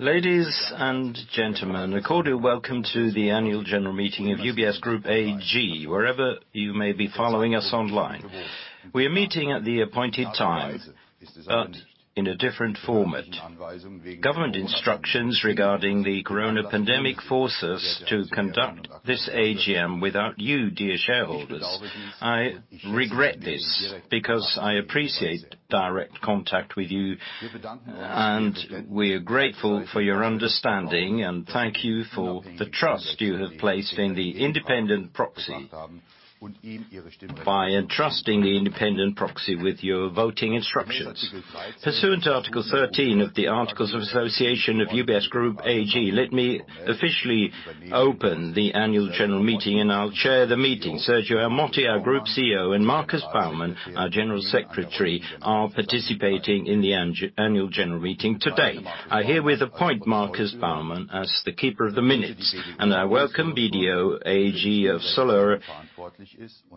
Ladies and gentlemen, a cordial welcome to the annual general meeting of UBS Group AG, wherever you may be following us online. We are meeting at the appointed time, in a different format. Government instructions regarding the coronavirus pandemic force us to conduct this AGM without you, dear shareholders. I regret this because I appreciate direct contact with you, and we are grateful for your understanding and thank you for the trust you have placed in the independent proxy by entrusting the independent proxy with your voting instructions. Pursuant to Article 13 of the Articles of Association of UBS Group AG, let me officially open the annual general meeting, and I'll chair the meeting. Sergio Ermotti, our Group CEO, and Markus Baumann, our General Secretary, are participating in the annual general meeting today. I herewith appoint Markus Baumann as the keeper of the minutes, and I welcome BDO AG of Solothurn,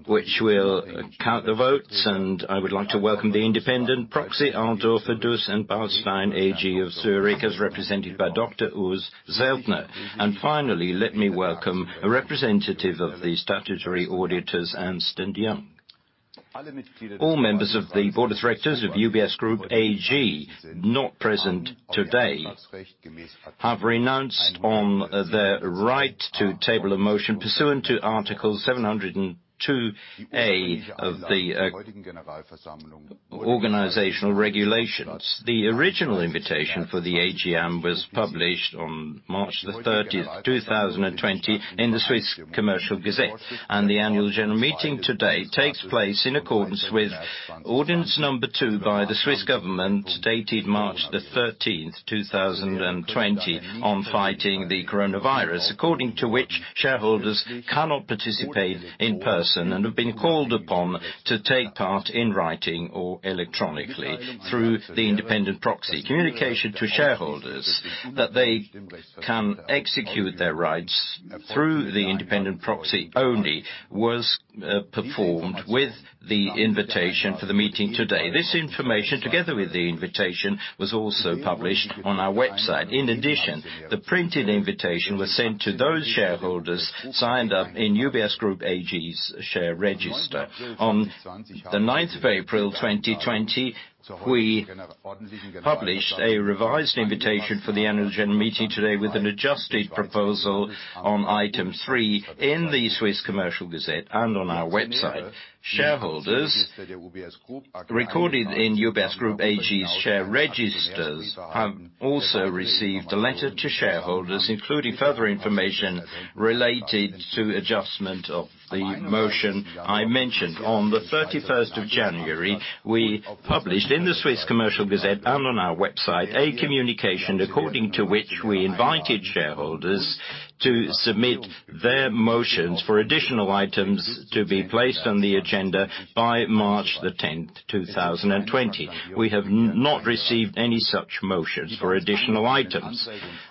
which will count the votes. I would like to welcome the independent proxy, ADB Altorfer Duss & Beilstein AG of Zurich, as represented by Dr. Urs Zeltner. Finally, let me welcome a representative of the statutory auditors, Ernst & Young. All members of the board of directors of UBS Group AG not present today have renounced on their right to table a motion pursuant to Article 702a of the organizational regulations. The original invitation for the AGM was published on March 30th, 2020 in the Swiss Official Gazette of Commerce, and the annual general meeting today takes place in accordance with ordinance number two by the Swiss government, dated March 13th, 2020 on fighting the coronavirus, according to which, shareholders cannot participate in person and have been called upon to take part in writing or electronically through the independent proxy. Communication to shareholders that they can execute their rights through the independent proxy only was performed with the invitation for the meeting today. This information, together with the invitation, was also published on our website. In addition, the printed invitation was sent to those shareholders signed up in UBS Group AG's share register. On the 9th of April 2020, we published a revised invitation for the annual general meeting today with an adjusted proposal on item three in the Swiss Official Gazette of Commerce and on our website. Shareholders recorded in UBS Group AG's share registers have also received a letter to shareholders, including further information related to adjustment of the motion I mentioned. On the 31st of January, we published in the Swiss Official Gazette of Commerce and on our website a communication according to which we invited shareholders to submit their motions for additional items to be placed on the agenda by March the 10th 2020. We have not received any such motions for additional items.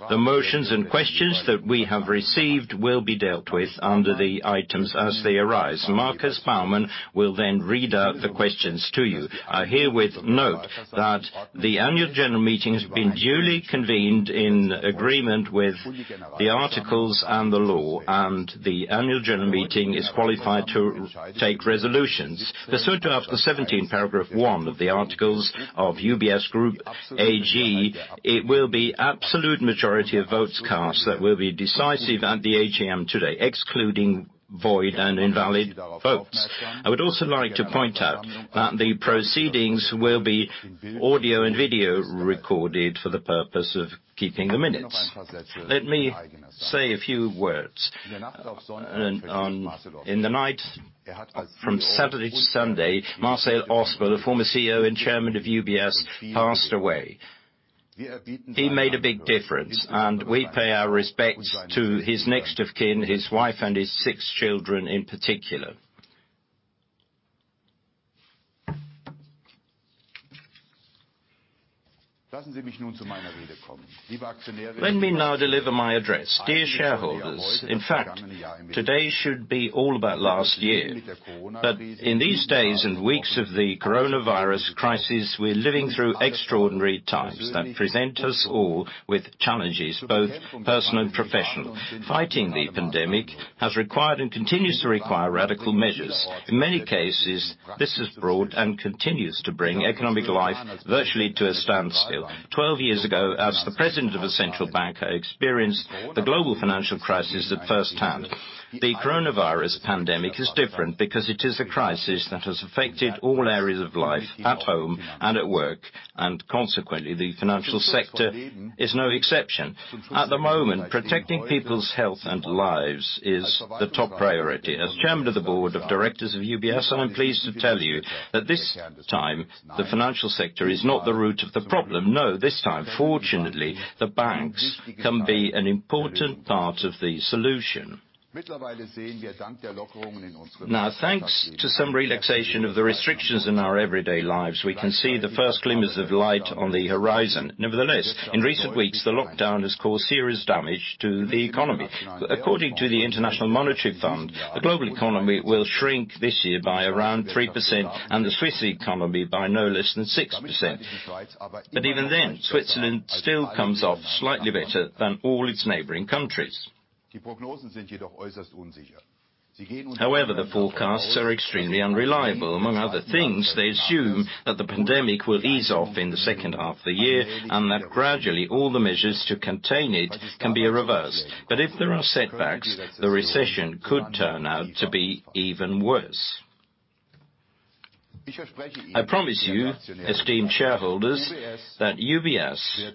The motions and questions that we have received will be dealt with under the items as they arise. Markus Baumann will then read out the questions to you. I herewith note that the annual general meeting has been duly convened in agreement with the articles and the law, the annual general meeting is qualified to take resolutions. Pursuant to Article 17, Paragraph one of the articles of UBS Group AG, it will be absolute majority of votes cast that will be decisive at the AGM today, excluding void and invalid votes. I would also like to point out that the proceedings will be audio and video recorded for the purpose of keeping the minutes. Let me say a few words. In the night from Saturday to Sunday, Marcel Ospel, the former CEO and Chairman of UBS, passed away. He made a big difference, we pay our respects to his next of kin, his wife, and his six children in particular. Let me now deliver my address. Dear shareholders, in fact, today should be all about last year. In these days and weeks of the coronavirus crisis, we're living through extraordinary times that present us all with challenges, both personal and professional. Fighting the pandemic has required, and continues to require radical measures. In many cases, this has brought and continues to bring economic life virtually to a standstill. 12 years ago, as the president of the central bank, I experienced the global financial crisis at firsthand. The coronavirus pandemic is different, it is a crisis that has affected all areas of life, at home and at work, and consequently, the financial sector is no exception. At the moment, protecting people's health and lives is the top priority. As chairman of the board of directors of UBS, I am pleased to tell you that this time the financial sector is not the root of the problem. No, this time, fortunately, the banks can be an important part of the solution. Now, thanks to some relaxation of the restrictions in our everyday lives, we can see the first glimmers of light on the horizon. Nevertheless, in recent weeks, the lockdown has caused serious damage to the economy. According to the International Monetary Fund, the global economy will shrink this year by around 3%, and the Swiss economy by no less than 6%. Even then, Switzerland still comes off slightly better than all its neighboring countries. However, the forecasts are extremely unreliable. Among other things, they assume that the pandemic will ease off in the second half of the year, and that gradually all the measures to contain it can be reversed. If there are setbacks, the recession could turn out to be even worse. I promise you, esteemed shareholders, that UBS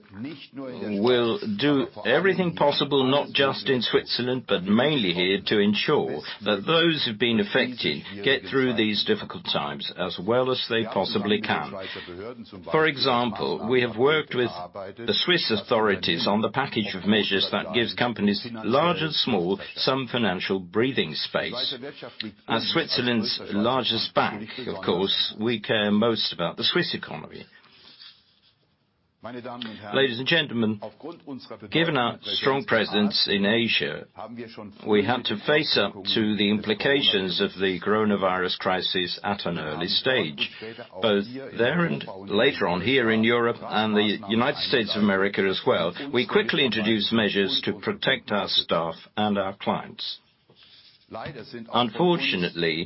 will do everything possible, not just in Switzerland, but mainly here to ensure that those who've been affected get through these difficult times as well as they possibly can. For example, we have worked with the Swiss authorities on the package of measures that gives companies large and small, some financial breathing space. As Switzerland's largest bank, of course, we care most about the Swiss economy. Ladies and gentlemen, given our strong presence in Asia, we had to face up to the implications of the coronavirus crisis at an early stage, both there and later on here in Europe and the United States of America as well. We quickly introduced measures to protect our staff and our clients. Unfortunately,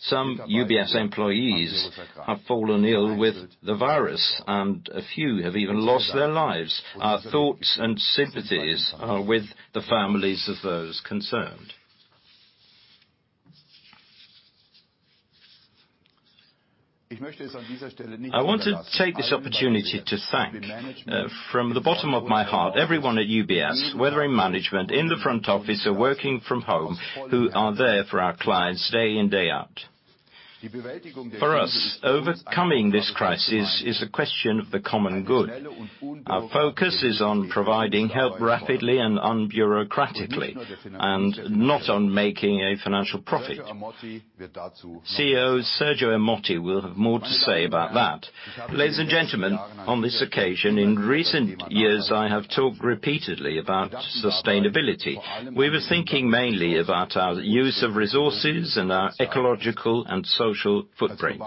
some UBS employees have fallen ill with the virus, and a few have even lost their lives. Our thoughts and sympathies are with the families of those concerned. I want to take this opportunity to thank, from the bottom of my heart, everyone at UBS, whether in management, in the front office or working from home, who are there for our clients day in, day out. For us, overcoming this crisis is a question of the common good. Our focus is on providing help rapidly and un-bureaucratically, and not on making a financial profit. CEO Sergio Ermotti will have more to say about that. Ladies and gentlemen, on this occasion, in recent years, I have talked repeatedly about sustainability. We were thinking mainly about our use of resources and our ecological and social footprint.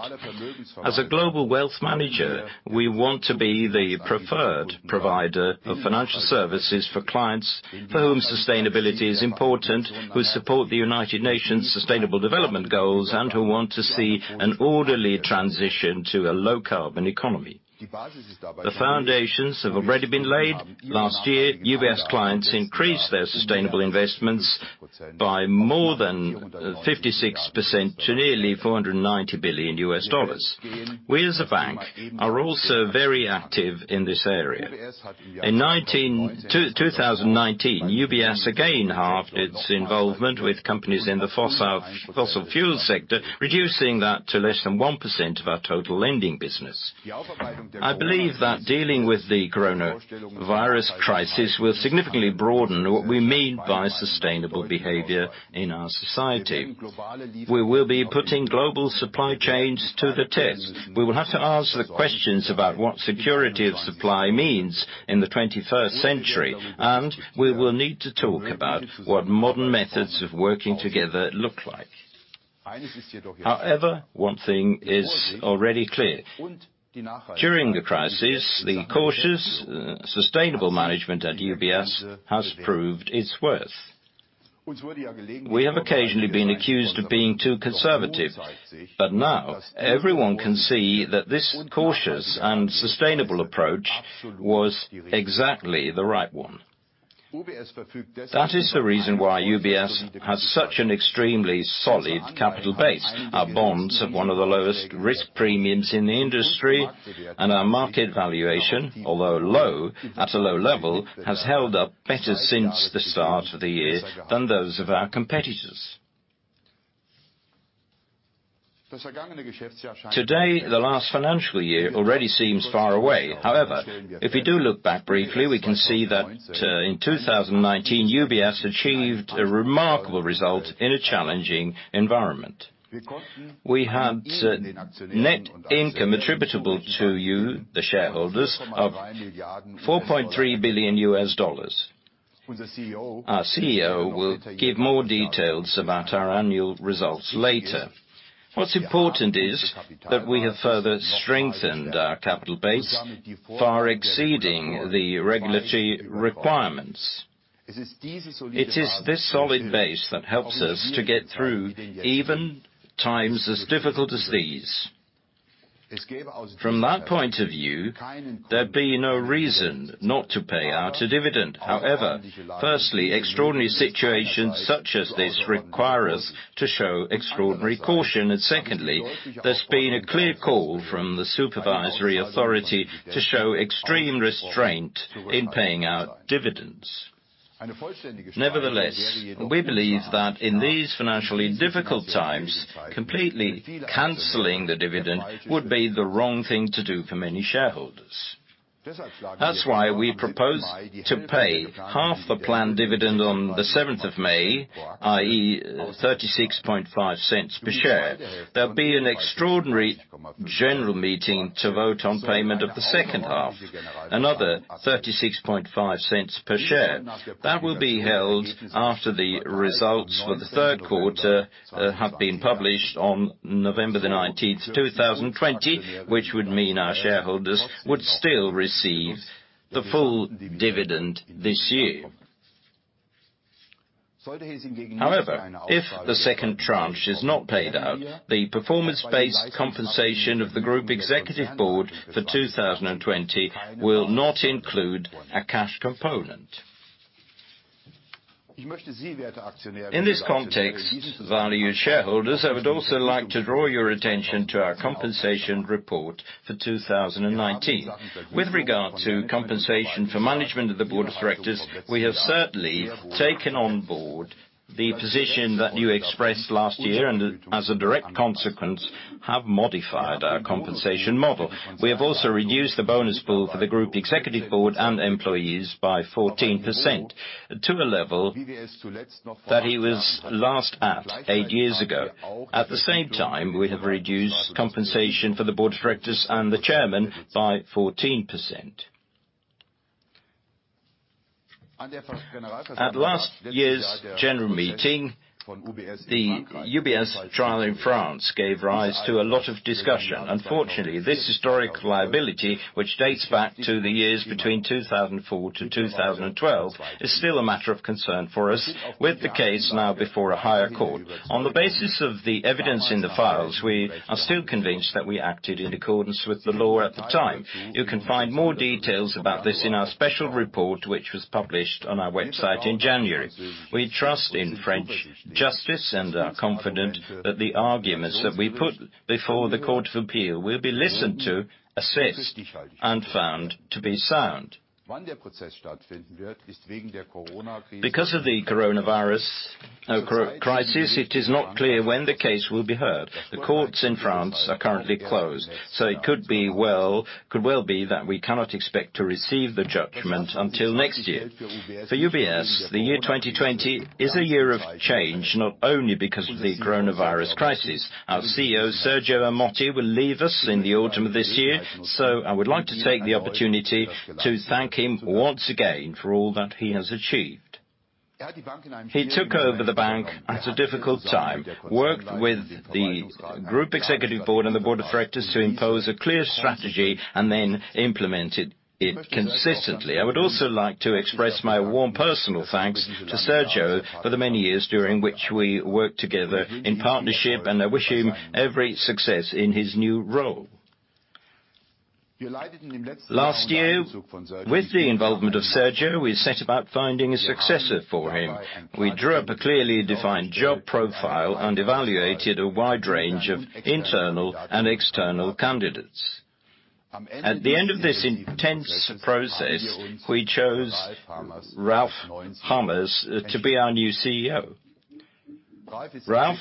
As a global wealth manager, we want to be the preferred provider of financial services for clients for whom sustainability is important, who support the United Nations Sustainable Development Goals, and who want to see an orderly transition to a low-carbon economy. The foundations have already been laid. Last year, UBS clients increased their sustainable investments by more than 56% to nearly $490 billion. We as a bank are also very active in this area. In 2019, UBS again halved its involvement with companies in the fossil fuel sector, reducing that to less than 1% of our total lending business. I believe that dealing with the coronavirus crisis will significantly broaden what we mean by sustainable behavior in our society. We will be putting global supply chains to the test. We will have to ask the questions about what security of supply means in the 21st century, and we will need to talk about what modern methods of working together look like. However, one thing is already clear. During the crisis, the cautious, sustainable management at UBS has proved its worth. We have occasionally been accused of being too conservative, but now everyone can see that this cautious and sustainable approach was exactly the right one. That is the reason why UBS has such an extremely solid capital base. Our bonds have one of the lowest risk premiums in the industry, and our market valuation, although low, at a low level, has held up better since the start of the year than those of our competitors. Today, the last financial year already seems far away. However, if we do look back briefly, we can see that in 2019, UBS achieved a remarkable result in a challenging environment. We had net income attributable to you, the shareholders, of $4.3 billion. Our CEO will give more details about our annual results later. What's important is that we have further strengthened our capital base, far exceeding the regulatory requirements. It is this solid base that helps us to get through even times as difficult as these. From that point of view, there'd be no reason not to pay out a dividend. However, firstly, extraordinary situations such as this require us to show extraordinary caution. Secondly, there's been a clear call from the supervisory authority to show extreme restraint in paying out dividends. Nevertheless, we believe that in these financially difficult times, completely canceling the dividend would be the wrong thing to do for many shareholders. That's why we propose to pay half the planned dividend on the 7th of May, i.e., 0.365 per share. There'll be an extraordinary general meeting to vote on payment of the second half, another 0.365 per share. That will be held after the results for the third quarter have been published on November the 19th, 2020, which would mean our shareholders would still receive the full dividend this year. However, if the second tranche is not paid out, the performance-based compensation of the group executive board for 2020 will not include a cash component. In this context, valued shareholders, I would also like to draw your attention to our compensation report for 2019. With regard to compensation for management of the Board of Directors, we have certainly taken on board the position that you expressed last year, and as a direct consequence, have modified our compensation model. We have also reduced the bonus pool for the group executive board and employees by 14%, to a level that it was last at eight years ago. At the same time, we have reduced compensation for the Board of Directors and the Chairman by 14%. At last year's General Meeting, the UBS trial in France gave rise to a lot of discussion. Unfortunately, this historic liability, which dates back to the years between 2004-2012, is still a matter of concern for us, with the case now before a higher court. On the basis of the evidence in the files, we are still convinced that we acted in accordance with the law at the time. You can find more details about this in our special report, which was published on our website in January. We trust in French justice and are confident that the arguments that we put before the Court of Appeal will be listened to, assessed, and found to be sound. Because of the coronavirus crisis, it is not clear when the case will be heard. The courts in France are currently closed, so it could well be that we cannot expect to receive the judgment until next year. For UBS, the year 2020 is a year of change, not only because of the coronavirus crisis. Our CEO, Sergio Ermotti, will leave us in the autumn of this year. I would like to take the opportunity to thank him once again for all that he has achieved. He took over the bank at a difficult time, worked with the group executive board and the Board of Directors to impose a clear strategy, and then implemented it consistently. I would also like to express my warm personal thanks to Sergio for the many years during which we worked together in partnership, and I wish him every success in his new role. Last year, with the involvement of Sergio, we set about finding a successor for him. We drew up a clearly defined job profile and evaluated a wide range of internal and external candidates. At the end of this intense process, we chose Ralph Hamers to be our new CEO. Ralph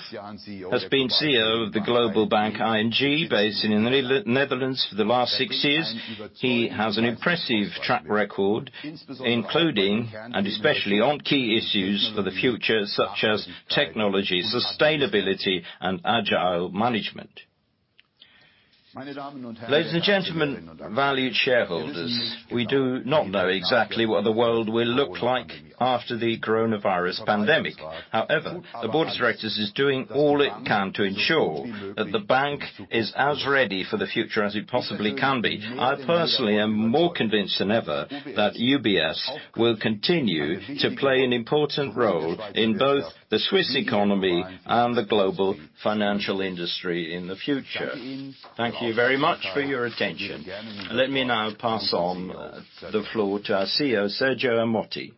has been CEO of the global bank ING, based in the Netherlands, for the last six years. He has an impressive track record, including and especially on key issues for the future, such as technology, sustainability, and agile management. Ladies and gentlemen, valued shareholders, we do not know exactly what the world will look like after the coronavirus pandemic. However, the board of directors is doing all it can to ensure that the bank is as ready for the future as it possibly can be. I personally am more convinced than ever that UBS will continue to play an important role in both the Swiss economy and the global financial industry in the future. Thank you very much for your attention. Let me now pass on the floor to our CEO, Sergio Ermotti.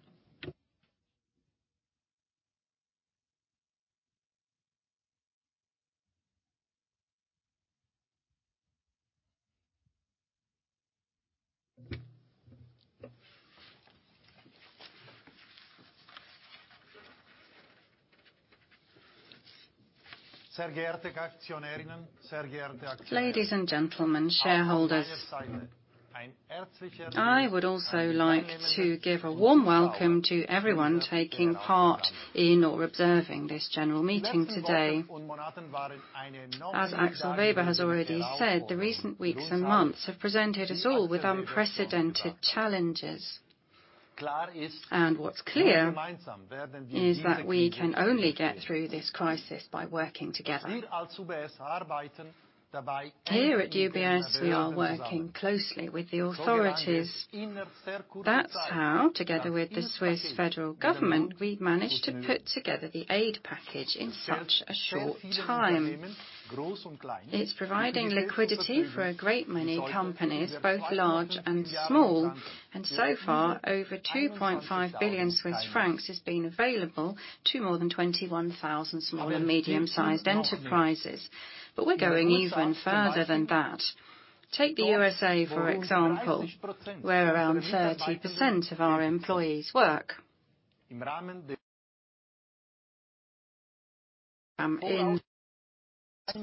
Ladies and gentlemen, shareholders. I would also like to give a warm welcome to everyone taking part in or observing this general meeting today. As Axel Weber has already said, the recent weeks and months have presented us all with unprecedented challenges. What's clear is that we can only get through this crisis by working together. Here at UBS, we are working closely with the authorities. That's how, together with the Swiss federal government, we managed to put together the aid package in such a short time. It's providing liquidity for a great many companies, both large and small. So far, over 2.5 billion Swiss francs has been available to more than 21,000 small and medium-sized enterprises. We're going even further than that. Take the U.S.A., for example, where around 30% of our employees work. Expect to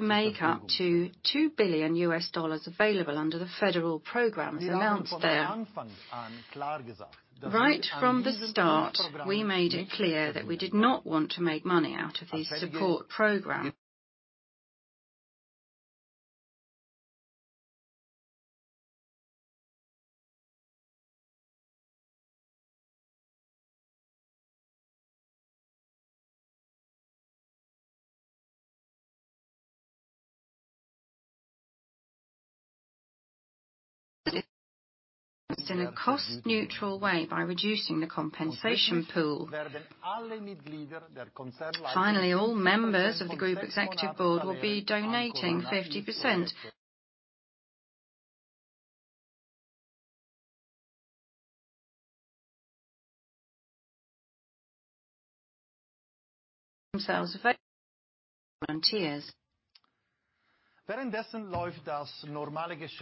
make up to $2 billion available under the federal programs announced there. Right from the start, we made it clear that we did not want to make money out of these support programs. It's in a cost-neutral way by reducing the compensation pool. Finally, all members of the Group Executive Board will be donating 50%. Themselves effect volunteers.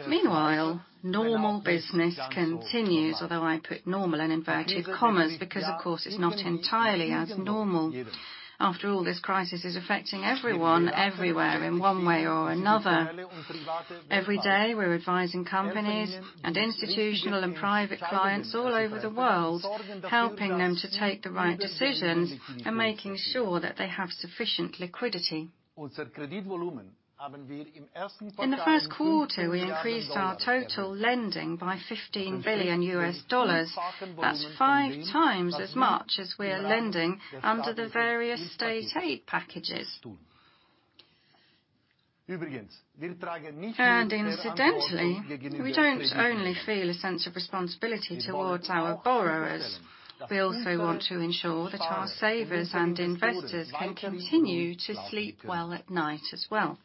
Meanwhile, normal business continues, although I put normal in inverted commas because of course it's not entirely as normal. After all, this crisis is affecting everyone everywhere in one way or another. Every day, we're advising companies and institutional and private clients all over the world, helping them to take the right decisions and making sure that they have sufficient liquidity. In the first quarter, we increased our total lending by $15 billion. That's five times as much as we are lending under the various state aid packages. Incidentally, we don't only feel a sense of responsibility towards our borrowers. We also want to ensure that our savers and investors can continue to sleep well at night as well.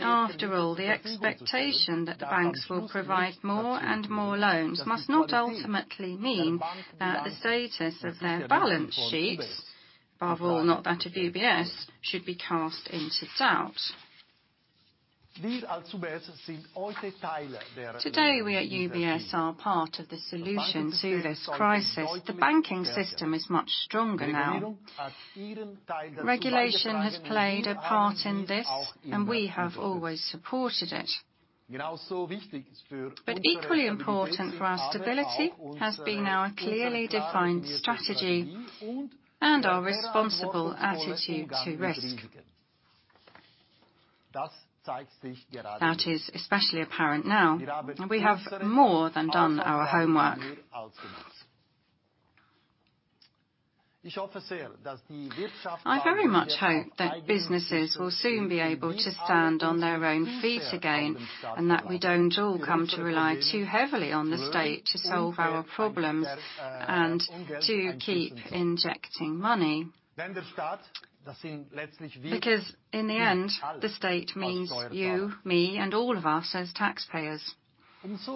After all, the expectation that banks will provide more and more loans must not ultimately mean that the status of their balance sheets, bar not that of UBS, should be cast into doubt. Today, we at UBS are part of the solution to this crisis. The banking system is much stronger now. Regulation has played a part in this, and we have always supported it. Equally important for our stability has been our clearly defined strategy and our responsible attitude to risk. That is especially apparent now, and we have more than done our homework. I very much hope that businesses will soon be able to stand on their own feet again, and that we don't all come to rely too heavily on the state to solve our problems and to keep injecting money. In the end, the state means you, me, and all of us as taxpayers. It's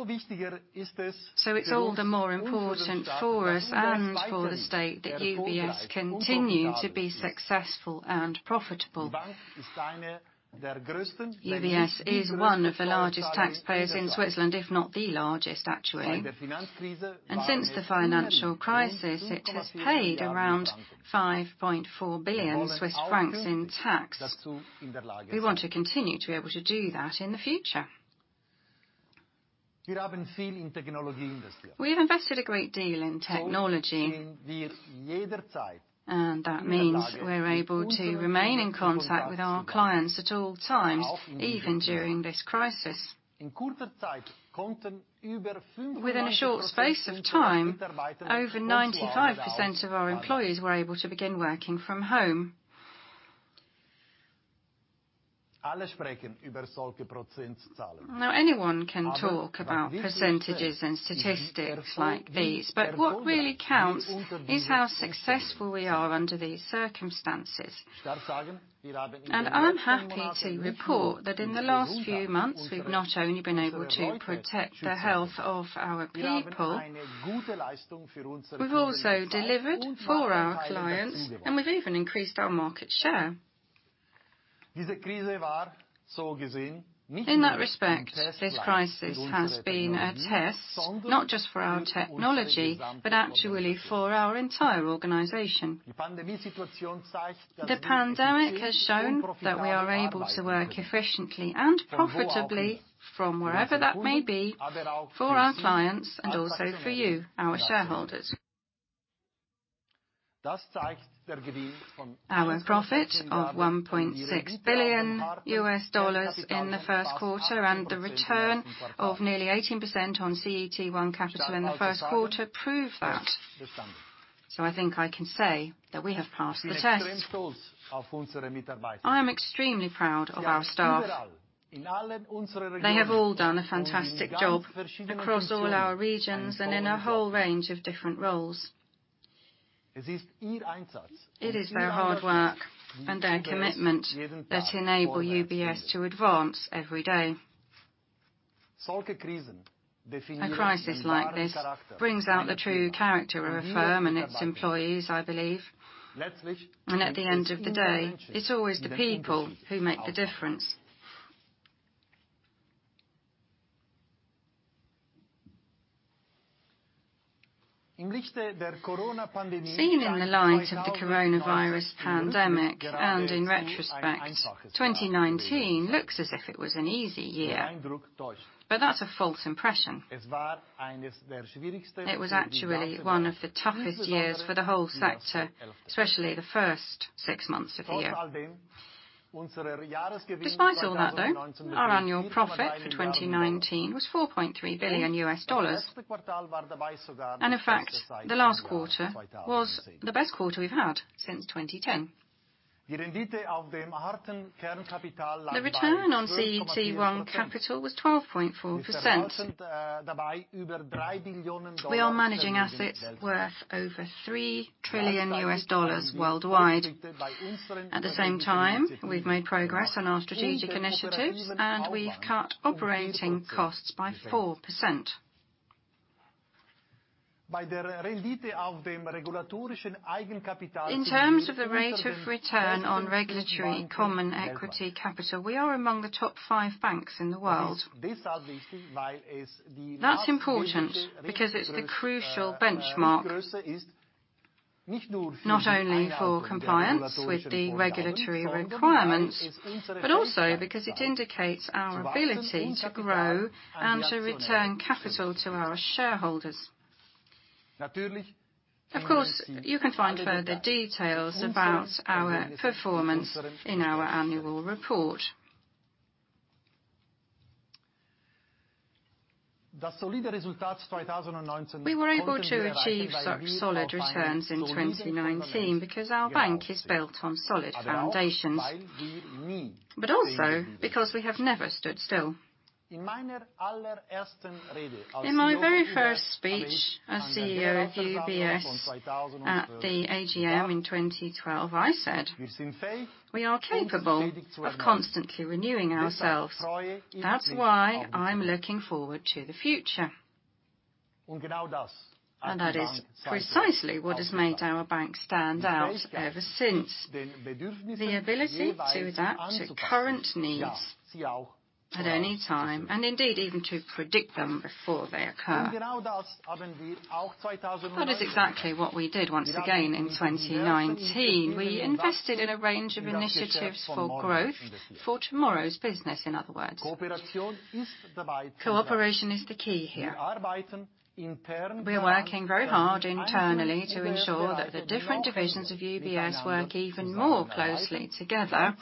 all the more important for us and for the state that UBS continue to be successful and profitable. UBS is one of the largest taxpayers in Switzerland, if not the largest actually. Since the financial crisis, it has paid around 5.4 billion Swiss francs in tax. We want to continue to be able to do that in the future. We have invested a great deal in technology, and that means we're able to remain in contact with our clients at all times, even during this crisis. Within a short space of time, over 95% of our employees were able to begin working from home. Anyone can talk about percentages and statistics like these, but what really counts is how successful we are under these circumstances. I'm happy to report that in the last few months, we've not only been able to protect the health of our people, we've also delivered for our clients, and we've even increased our market share. In that respect, this crisis has been a test, not just for our technology, but actually for our entire organization. The pandemic has shown that we are able to work efficiently and profitably from wherever that may be for our clients and also for you, our shareholders. Our profit of $1.6 billion in the first quarter and the return of nearly 18% on CET1 capital in the first quarter prove that. I think I can say that we have passed the test. I am extremely proud of our staff. They have all done a fantastic job across all our regions and in a whole range of different roles. It is their hard work and their commitment that enable UBS to advance every day. A crisis like this brings out the true character of a firm and its employees, I believe. At the end of the day, it's always the people who make the difference. Seen in the light of the coronavirus pandemic, and in retrospect, 2019 looks as if it was an easy year. That's a false impression. It was actually one of the toughest years for the whole sector, especially the first six months of the year. Despite all that though, our annual profit for 2019 was $4.3 billion. In fact, the last quarter was the best quarter we've had since 2010. The return on CET1 capital was 12.4%. We are managing assets worth over $3 trillion worldwide. At the same time, we've made progress on our strategic initiatives, and we've cut operating costs by 4%. In terms of the rate of return on regulatory common equity capital, we are among the top five banks in the world. That's important, because it's the crucial benchmark, not only for compliance with the regulatory requirements, but also because it indicates our ability to grow and to return capital to our shareholders. Of course, you can find further details about our performance in our annual report. We were able to achieve such solid returns in 2019 because our bank is built on solid foundations, but also because we have never stood still. In my very first speech as CEO of UBS at the AGM in 2012, I said, "We are capable of constantly renewing ourselves. That's why I'm looking forward to the future." That is precisely what has made our bank stand out ever since. The ability to adapt to current needs at any time, and indeed even to predict them before they occur. That is exactly what we did once again in 2019. We invested in a range of initiatives for growth, for tomorrow's business, in other words. Cooperation is the key here. We are working very hard internally to ensure that the different divisions of UBS work even more closely together,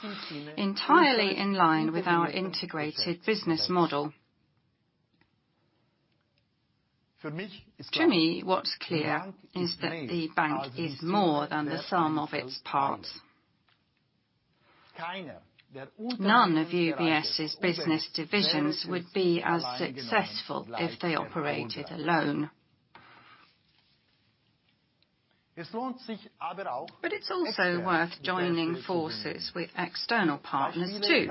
entirely in line with our integrated business model. To me, what's clear is that the bank is more than the sum of its parts. None of UBS's business divisions would be as successful if they operated alone. It's also worth joining forces with external partners, too.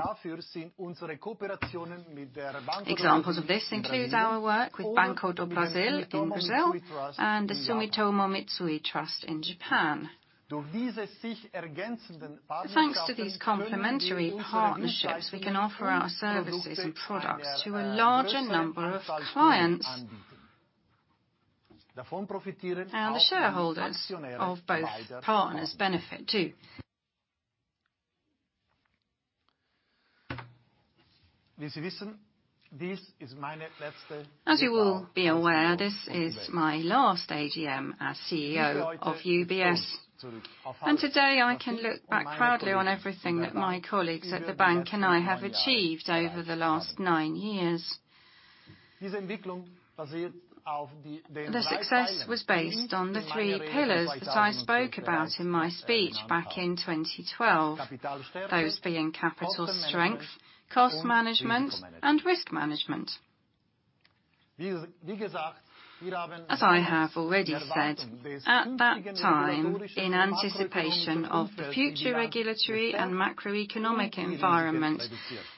Examples of this includes our work with Banco do Brasil in Brazil and the Sumitomo Mitsui Trust in Japan. Thanks to these complementary partnerships, we can offer our services and products to a larger number of clients. The shareholders of both partners benefit, too. As you will be aware, this is my last AGM as CEO of UBS, and today I can look back proudly on everything that my colleagues at the bank and I have achieved over the last nine years. The success was based on the three pillars that I spoke about in my speech back in 2012. Those being capital strength, cost management, and risk management. As I have already said, at that time, in anticipation of the future regulatory and macroeconomic environment,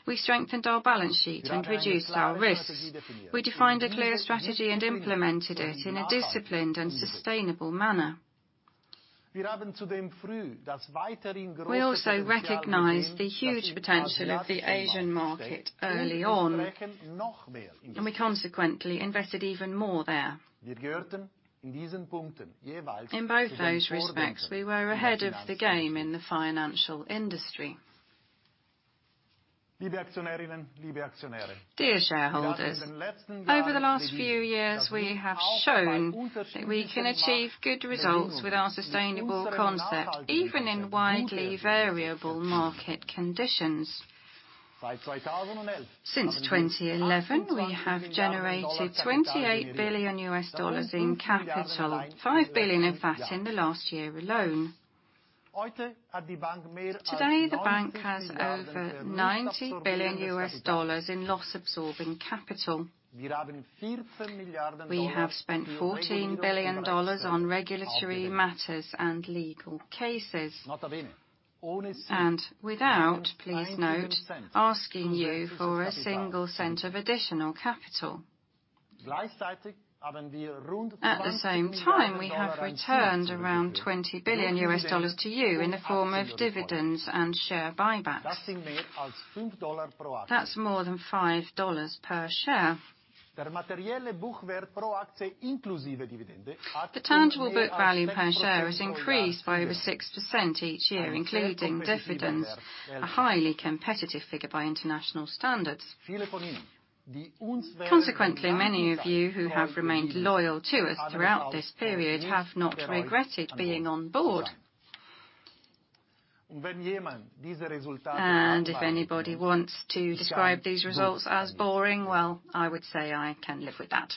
we strengthened our balance sheet and reduced our risks. We defined a clear strategy and implemented it in a disciplined and sustainable manner. We also recognized the huge potential of the Asian market early on. We consequently invested even more there. In both those respects, we were ahead of the game in the financial industry. Dear shareholders, over the last few years, we have shown that we can achieve good results with our sustainable concept, even in widely variable market conditions. Since 2011, we have generated $28 billion in capital, $5 billion of that in the last year alone. Today, the bank has over $90 billion in loss-absorbing capital. We have spent $14 billion on regulatory matters and legal cases. Without, please note, asking you for a single cent of additional capital. At the same time, we have returned around $20 billion to you in the form of dividends and share buybacks. That's more than $5 per share. The tangible book value per share has increased by over 6% each year, including dividends, a highly competitive figure by international standards. Many of you who have remained loyal to us throughout this period have not regretted being on board. If anybody wants to describe these results as boring, well, I would say I can live with that.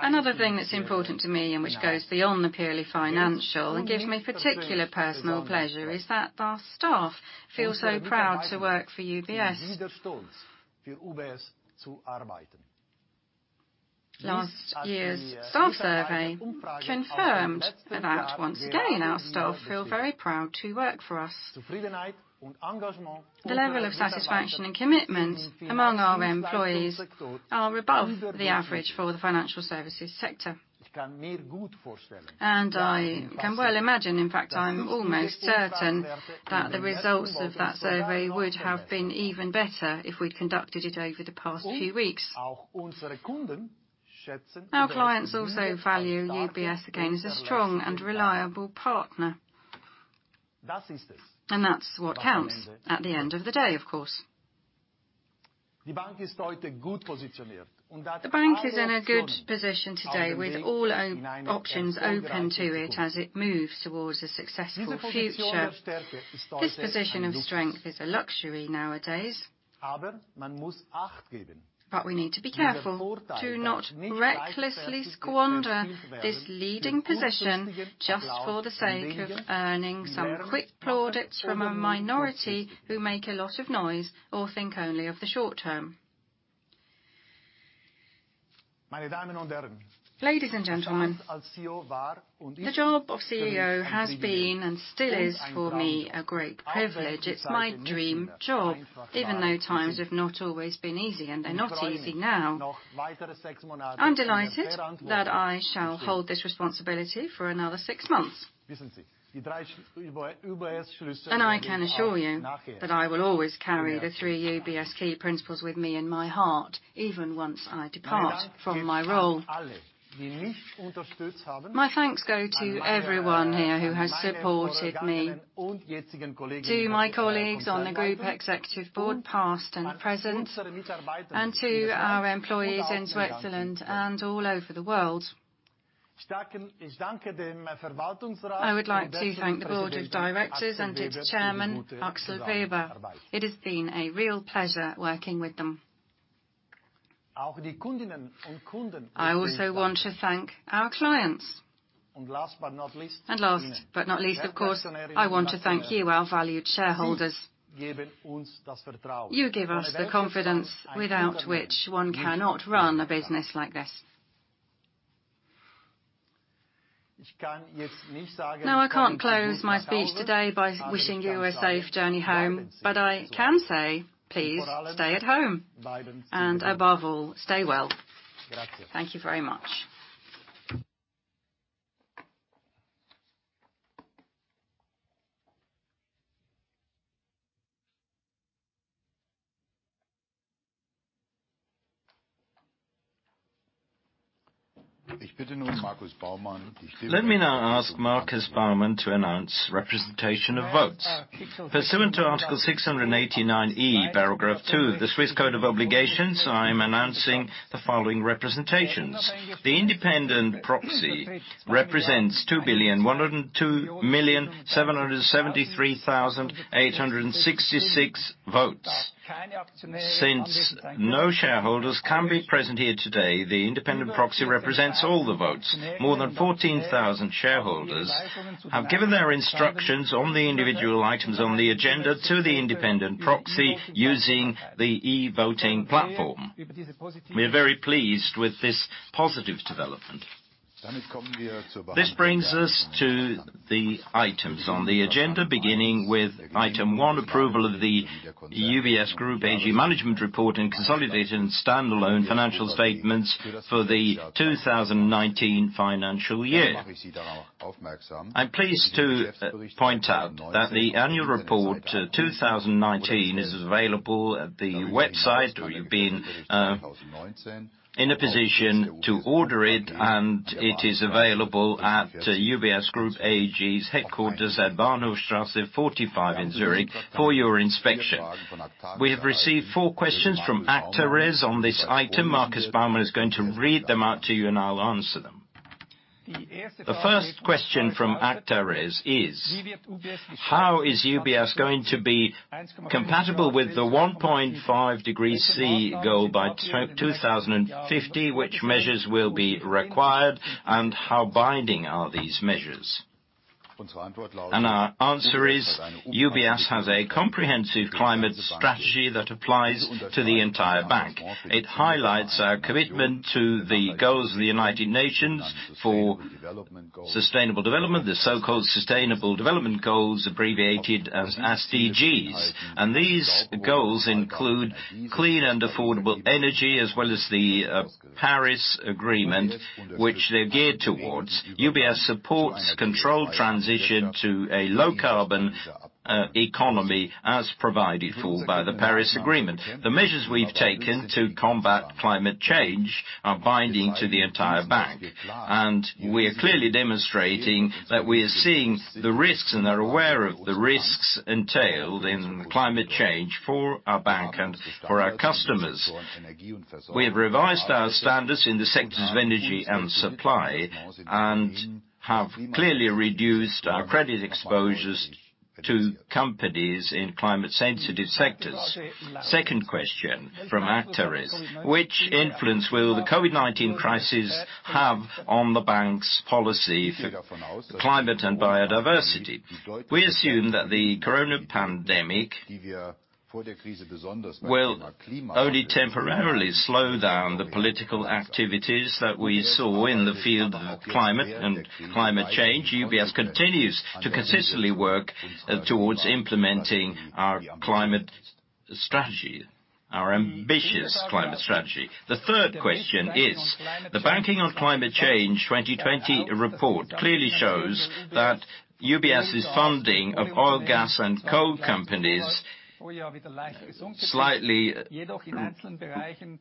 Another thing that's important to me, and which goes beyond the purely financial and gives me particular personal pleasure, is that our staff feel so proud to work for UBS. Last year's staff survey confirmed that once again, our staff feel very proud to work for us. The level of satisfaction and commitment among our employees are above the average for the financial services sector. I can well imagine, in fact, I'm almost certain, that the results of that survey would have been even better if we'd conducted it over the past few weeks. Our clients also value UBS again as a strong and reliable partner. That's what counts at the end of the day, of course. The bank is in a good position today with all options open to it as it moves towards a successful future. This position of strength is a luxury nowadays. We need to be careful to not recklessly squander this leading position just for the sake of earning some quick plaudits from a minority who make a lot of noise or think only of the short term. Ladies and gentlemen, the job of CEO has been and still is, for me, a great privilege. It's my dream job, even though times have not always been easy, and they're not easy now. I'm delighted that I shall hold this responsibility for another six months. I can assure you that I will always carry the three UBS key principles with me in my heart, even once I depart from my role. My thanks go to everyone here who has supported me, to my colleagues on the group executive board, past and present, and to our employees in Switzerland and all over the world. I would like to thank the Board of Directors and its Chairman, Axel Weber. It has been a real pleasure working with them. I also want to thank our clients. Last but not least, of course, I want to thank you, our valued shareholders. You give us the confidence without which one cannot run a business like this. Now, I can't close my speech today by wishing you a safe journey home, but I can say, please stay at home, and above all, stay well. Thank you very much. Let me now ask Markus Baumann to announce representation of votes. Pursuant to Article 689e, Paragraph two of the Swiss Code of Obligations, I am announcing the following representations. The independent proxy represents 2,102,773,866 votes. Since no shareholders can be present here today, the independent proxy represents all the votes. More than 14,000 shareholders have given their instructions on the individual items on the agenda to the independent proxy using the e-voting platform. We are very pleased with this positive development. This brings us to the items on the agenda, beginning with item one, approval of the UBS Group AG management report and consolidated and stand-alone financial statements for the 2019 financial year. I am pleased to point out that the annual report 2019 is available at the website. You have been in a position to order it, and it is available at UBS Group AG's headquarters at Bahnhofstrasse 45 in Zurich for your inspection. We have received four questions from Actares on this item. Markus Baumann is going to read them out to you, and I'll answer them. The first question from Actares is: how is UBS going to be compatible with the 1.5 degrees C goal by 2050? Which measures will be required, and how binding are these measures? Our answer is, UBS has a comprehensive climate strategy that applies to the entire bank. It highlights our commitment to the goals of the United Nations for sustainable development, the so-called Sustainable Development Goals, abbreviated as SDGs. These goals include clean and affordable energy, as well as the Paris Agreement, which they're geared towards. UBS supports controlled transition to a low carbon economy as provided for by the Paris Agreement. The measures we've taken to combat climate change are binding to the entire bank, and we are clearly demonstrating that we are seeing the risks and are aware of the risks entailed in climate change for our bank and for our customers. We have revised our standards in the sectors of energy and supply and have clearly reduced our credit exposures to companies in climate-sensitive sectors. Second question from Actares: which influence will the COVID-19 crisis have on the bank's policy for climate and biodiversity? We assume that the corona pandemic will only temporarily slow down the political activities that we saw in the field of climate and climate change. UBS continues to consistently work towards implementing our climate strategy. Our ambitious climate strategy. The third question is, the Banking on Climate Change 2020 report clearly shows that UBS's funding of oil, gas, and coal companies slightly decreased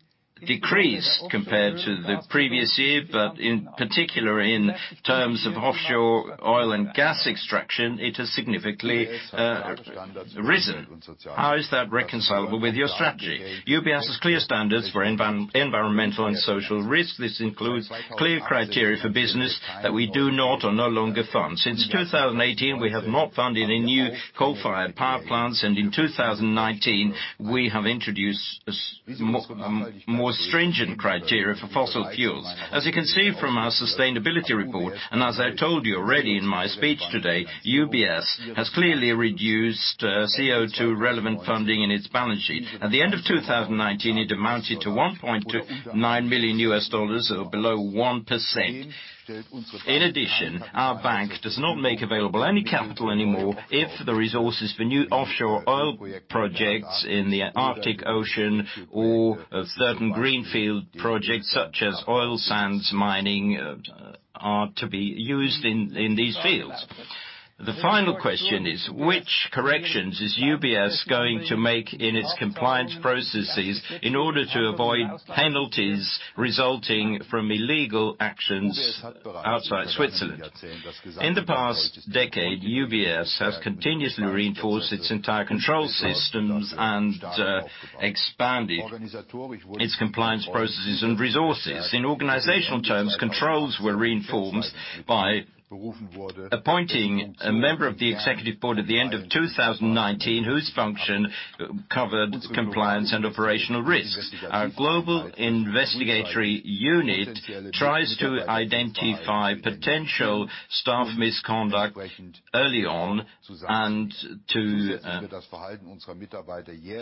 compared to the previous year, but in particular, in terms of offshore oil and gas extraction, it has significantly risen. How is that reconcilable with your strategy? UBS has clear standards for environmental and social risks. This includes clear criteria for business that we do not or no longer fund. Since 2018, we have not funded any new coal-fired power plants, and in 2019, we have introduced more stringent criteria for fossil fuels. As you can see from our sustainability report, and as I told you already in my speech today, UBS has clearly reduced CO2-relevant funding in its balance sheet. At the end of 2019, it amounted to $1.29 million, or below 1%. In addition, our bank does not make available any capital anymore if the resources for new offshore oil projects in the Arctic Ocean or certain greenfield projects such as oil sands mining are to be used in these fields. The final question is, which corrections is UBS going to make in its compliance processes in order to avoid penalties resulting from illegal actions outside Switzerland? In the past decade, UBS has continuously reinforced its entire control systems and expanded its compliance processes and resources. In organizational terms, controls were reinforced by appointing a member of the executive board at the end of 2019, whose function covered compliance and operational risks. Our global investigatory unit tries to identify potential staff misconduct early on and to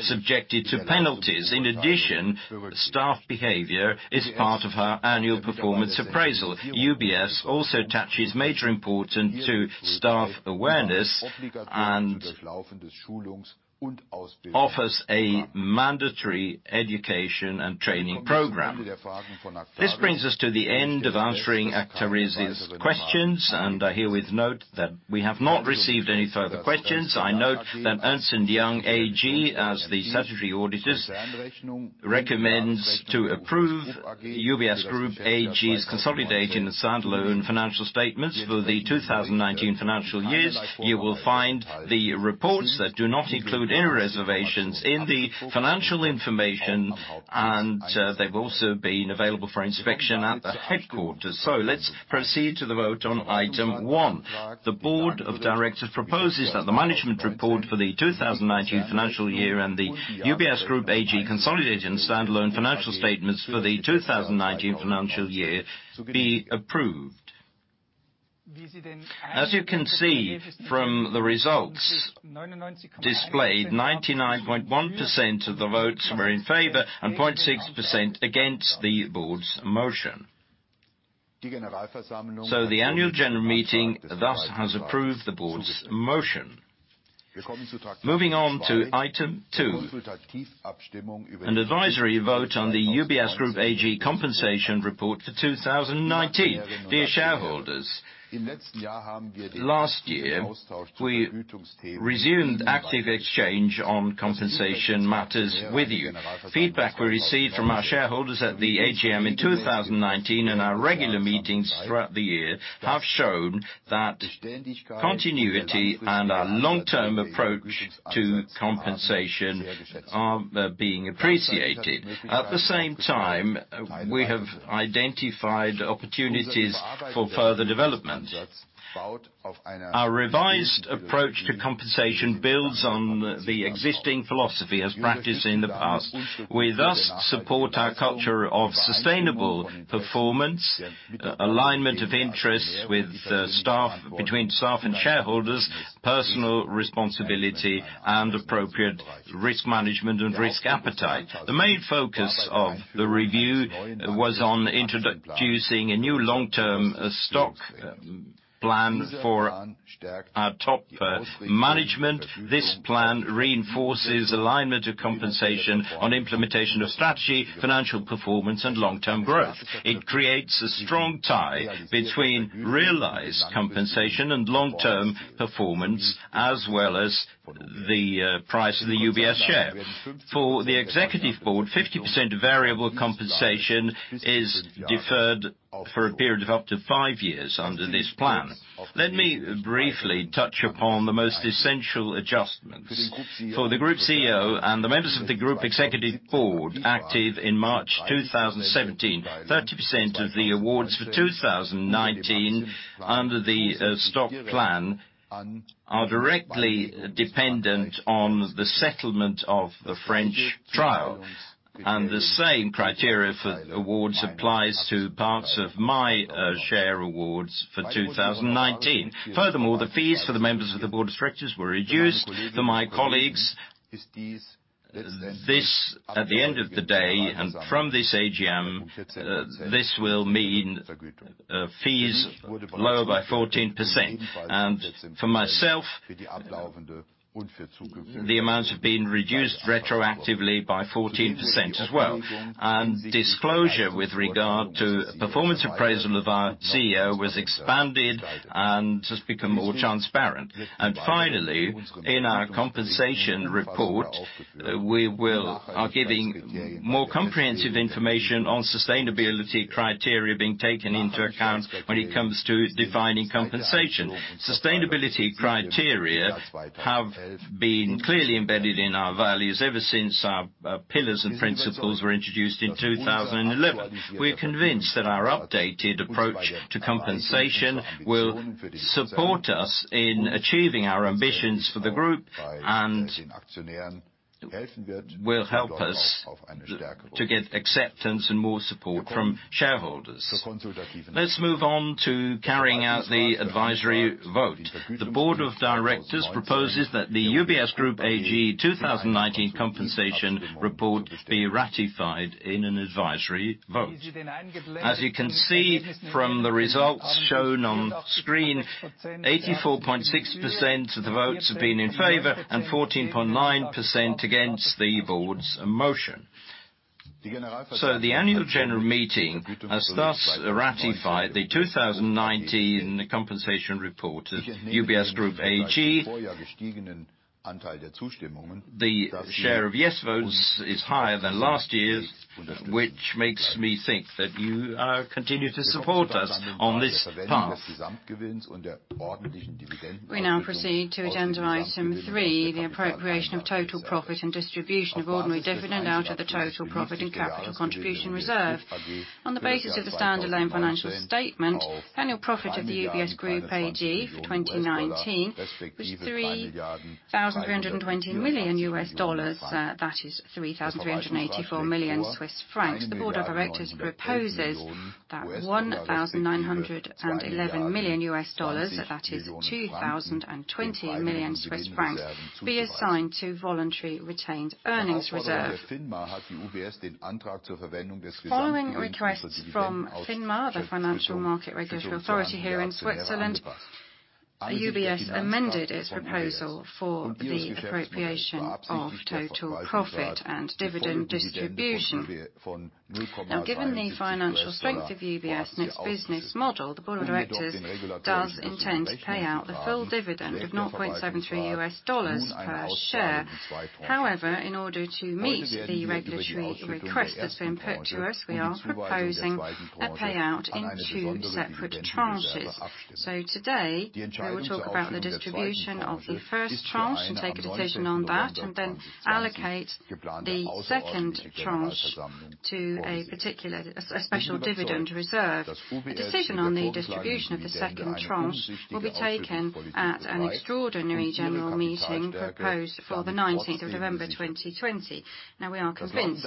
subject it to penalties. In addition, staff behavior is part of our annual performance appraisal. UBS also attaches major importance to staff awareness and offers a mandatory education and training program. This brings us to the end of answering Actares' questions, I herewith note that we have not received any further questions. I note that Ernst & Young AG, as the statutory auditors, recommends to approve UBS Group AG's consolidated and standalone financial statements for the 2019 financial years. You will find the reports that do not include any reservations in the financial information, They've also been available for inspection at the headquarters. Let's proceed to the vote on item one. The board of directors proposes that the management report for the 2019 financial year and the UBS Group AG consolidated and standalone financial statements for the 2019 financial year be approved. As you can see from the results displayed, 99.1% of the votes were in favor, and 0.6% against the board's motion. The annual general meeting thus has approved the board's motion. Moving on to item two, an advisory vote on the UBS Group AG compensation report for 2019. Dear shareholders, last year, we resumed active exchange on compensation matters with you. Feedback we received from our shareholders at the AGM in 2019 and our regular meetings throughout the year have shown that continuity and a long-term approach to compensation are being appreciated. At the same time, we have identified opportunities for further development. Our revised approach to compensation builds on the existing philosophy as practiced in the past. We thus support our culture of sustainable performance, alignment of interests between staff and shareholders, personal responsibility, and appropriate risk management and risk appetite. The main focus of the review was on introducing a new long-term stock plan for our top management. This plan reinforces alignment of compensation on implementation of strategy, financial performance, and long-term growth. It creates a strong tie between realized compensation and long-term performance, as well as the price of the UBS share. For the Executive Board, 50% variable compensation is deferred for a period of up to five years under this plan. Let me briefly touch upon the most essential adjustments. For the Group CEO and the members of the Group Executive Board active in March 2017, 30% of the awards for 2019 under the stock plan are directly dependent on the settlement of the French Trial, and the same criteria for awards applies to parts of my share awards for 2019. Furthermore, the fees for the members of the Board of Directors were reduced. This, at the end of the day, from this AGM, this will mean fees lower by 14%. For myself, the amount has been reduced retroactively by 14% as well. Disclosure with regard to performance appraisal of our CEO was expanded and has become more transparent. Finally, in our compensation report, we are giving more comprehensive information on sustainability criteria being taken into account when it comes to defining compensation. Sustainability criteria have been clearly embedded in our values ever since our pillars and principles were introduced in 2011. We are convinced that our updated approach to compensation will support us in achieving our ambitions for the group and will help us to get acceptance and more support from shareholders. Let's move on to carrying out the advisory vote. The board of directors proposes that the UBS Group AG 2019 compensation report be ratified in an advisory vote. As you can see from the results shown on screen, 84.6% of the votes have been in favor and 14.9% against the board's motion. The annual general meeting has thus ratified the 2019 compensation report of UBS Group AG. The share of yes votes is higher than last year, which makes me think that you continue to support us on this path. We now proceed to agenda item three, the appropriation of total profit and distribution of ordinary dividend out of the total profit and capital contribution reserve. On the basis of the standalone financial statement, annual profit of the UBS Group AG 2019 was $3,320 million, that is 3,384 million Swiss francs. The board of directors proposes that $1,911 million, that is 2,020 million Swiss francs, be assigned to voluntary retained earnings reserve. Following requests from FINMA, the Financial Market Regulatory Authority here in Switzerland, UBS amended its proposal for the appropriation of total profit and dividend distribution. Given the financial strength of UBS and its business model, the board of directors does intend to pay out the full dividend of $0.73 US per share. In order to meet the regulatory request that's been put to us, we are proposing a payout in two separate tranches. Today, we will talk about the distribution of the first tranche and take a decision on that, and then allocate the second tranche to a special dividend reserve. The decision on the distribution of the second tranche will be taken at an extraordinary general meeting proposed for the 19th of November 2020. We are convinced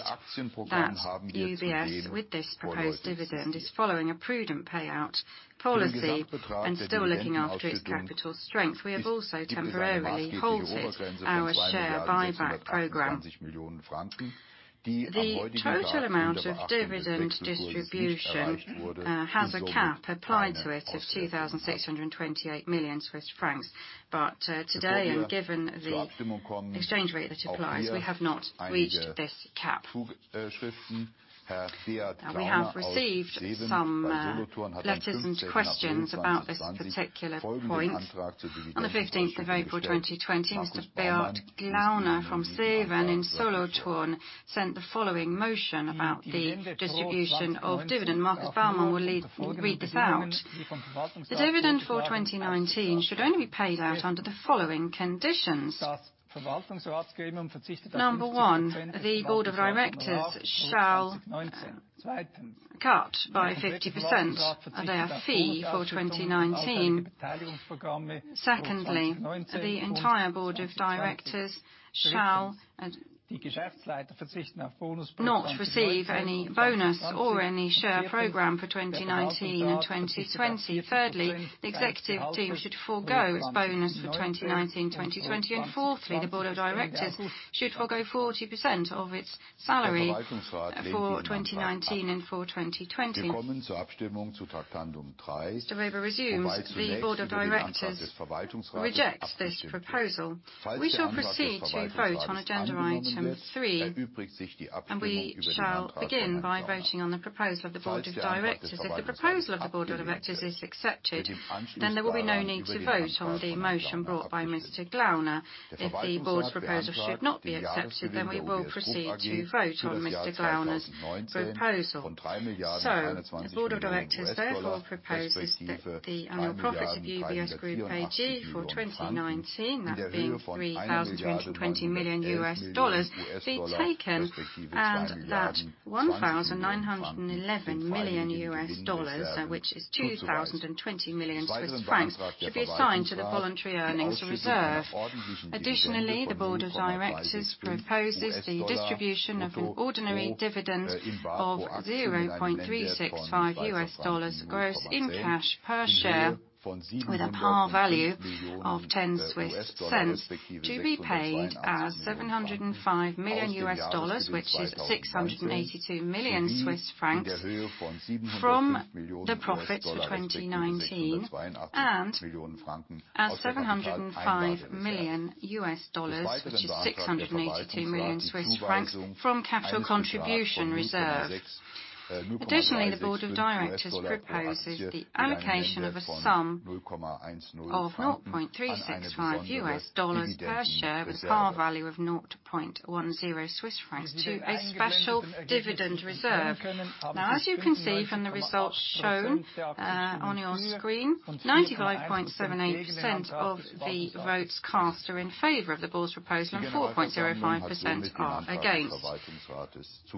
that UBS, with this proposed dividend, is following a prudent payout policy and still looking after its capital strength. We have also temporarily halted our share buyback program. The total amount of dividend distribution has a cap applied to it of 2,628 million Swiss francs. Today, and given the exchange rate that applies, we have not reached this cap. We have received some letters and questions about this particular point. On the 15th of April, 2020, Mr. Beat Glauner from Seewen in Solothurn sent the following motion about the distribution of dividend. Markus Baumann will read this out. The dividend for 2019 should only be paid out under the following conditions. Number one, the Board of Directors shall cut by 50% their fee for 2019. Secondly, the entire Board of Directors shall not receive any bonus or any share program for 2019 and 2020. The executive team should forego its bonus for 2019 and 2020. The board of directors should forego 40% of its salary for 2019 and for 2020. Mr. Weber resumes. The board of directors rejects this proposal. We shall proceed to vote on agenda item three, we shall begin by voting on the proposal of the board of directors. If the proposal of the board of directors is accepted, there will be no need to vote on the motion brought by Mr. Glauner. If the board's proposal should not be accepted, we will proceed to vote on Mr. Glauner's proposal. The board of directors therefore proposes that the annual profit of UBS Group AG for 2019, that being $3,320 million, be taken, and that $1,911 million, which is 2,020 million Swiss francs, should be assigned to the voluntary earnings reserve. Additionally, the board of directors proposes the distribution of ordinary dividends of $0.365 U.S. gross in cash per share with a par value of 0.10 to be paid as $705 million, which is 682 million Swiss francs from. The profits for 2019 are $705 million, which is 682 million Swiss francs from capital contribution reserve. Additionally, the Board of Directors proposes the allocation of a sum of $0.365 per share with par value of 0.10 Swiss francs to a special dividend reserve. As you can see from the results shown on your screen, 95.78% of the votes cast are in favor of the Board's proposal and 4.05% are against.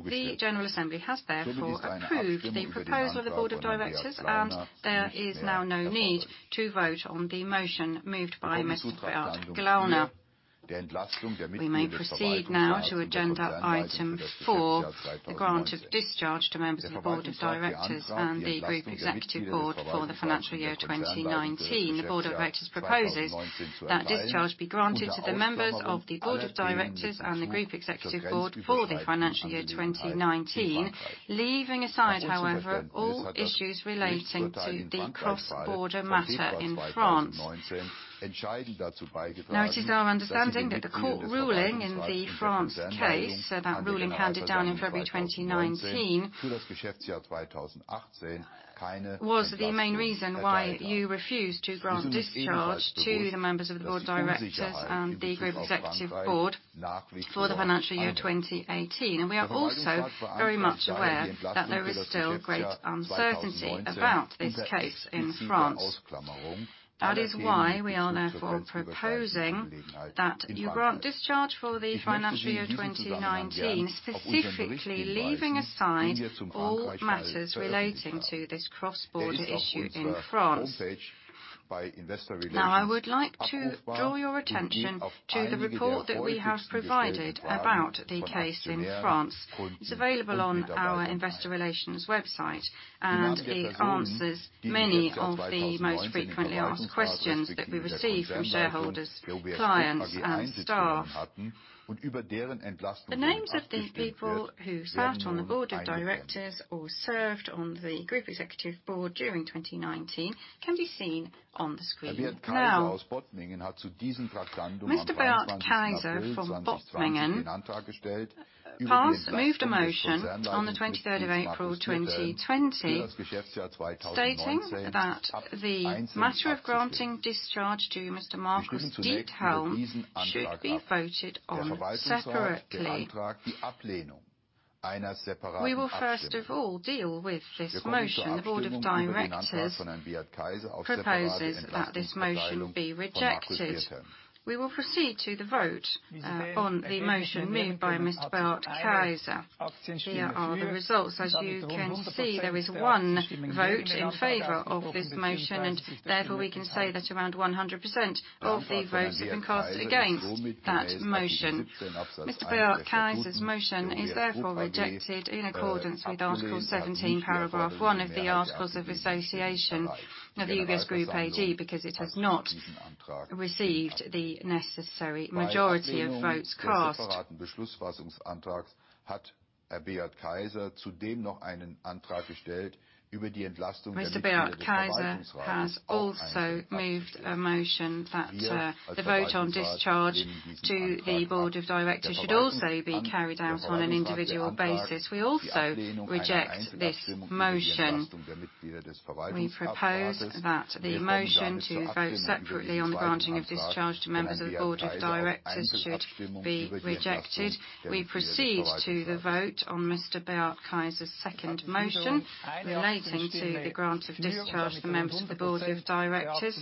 The general assembly has therefore approved the proposal of the Board of Directors, and there is now no need to vote on the motion moved by Mr. Beat Glauner. We may proceed now to agenda item four, the grant of discharge to members of the Board of Directors and the Group Executive Board for the financial year 2019. The Board of Directors proposes that discharge be granted to the members of the Board of Directors and the Group Executive Board for the financial year 2019. Leaving aside, however, all issues relating to the cross-border matter in France. It is our understanding that the court ruling in the France case, so that ruling handed down in February 2019, was the main reason why you refused to grant discharge to the members of the Board of Directors and the Group Executive Board for the financial year 2018. We are also very much aware that there is still great uncertainty about this case in France. That is why we are therefore proposing that you grant discharge for the financial year 2019, specifically leaving aside all matters relating to this cross-border issue in France. I would like to draw your attention to the report that we have provided about the case in France. It's available on our investor relations website, and it answers many of the most frequently asked questions that we receive from shareholders, clients, and staff. The names of the people who sat on the Board of Directors or served on the Group Executive Board during 2019 can be seen on the screen now. Mr. Bert Kaiser from Bottmingen moved a motion on the 23rd of April, 2020, stating that the matter of granting discharge to Mr. Markus Diethelm should be voted on separately. We will first of all deal with this motion. The Board of Directors proposes that this motion be rejected. We will proceed to the vote on the motion moved by Mr. Bert Kaiser. Here are the results. As you can see, there is one vote in favor of this motion, and therefore, we can say that around 100% of the votes have been cast against that motion. Mr. Bert Kaiser's motion is therefore rejected in accordance with Article 17, Paragraph 1 of the articles of association of UBS Group AG, because it has not received the necessary majority of votes cast. Mr. Bert Kaiser has also moved a motion that the vote on discharge to the board of directors should also be carried out on an individual basis. We also reject this motion. We propose that the motion to vote separately on the granting of discharge to members of the board of directors should be rejected. We proceed to the vote on Mr. Bert Kaiser's second motion relating to the grant of discharge to the members of the board of directors.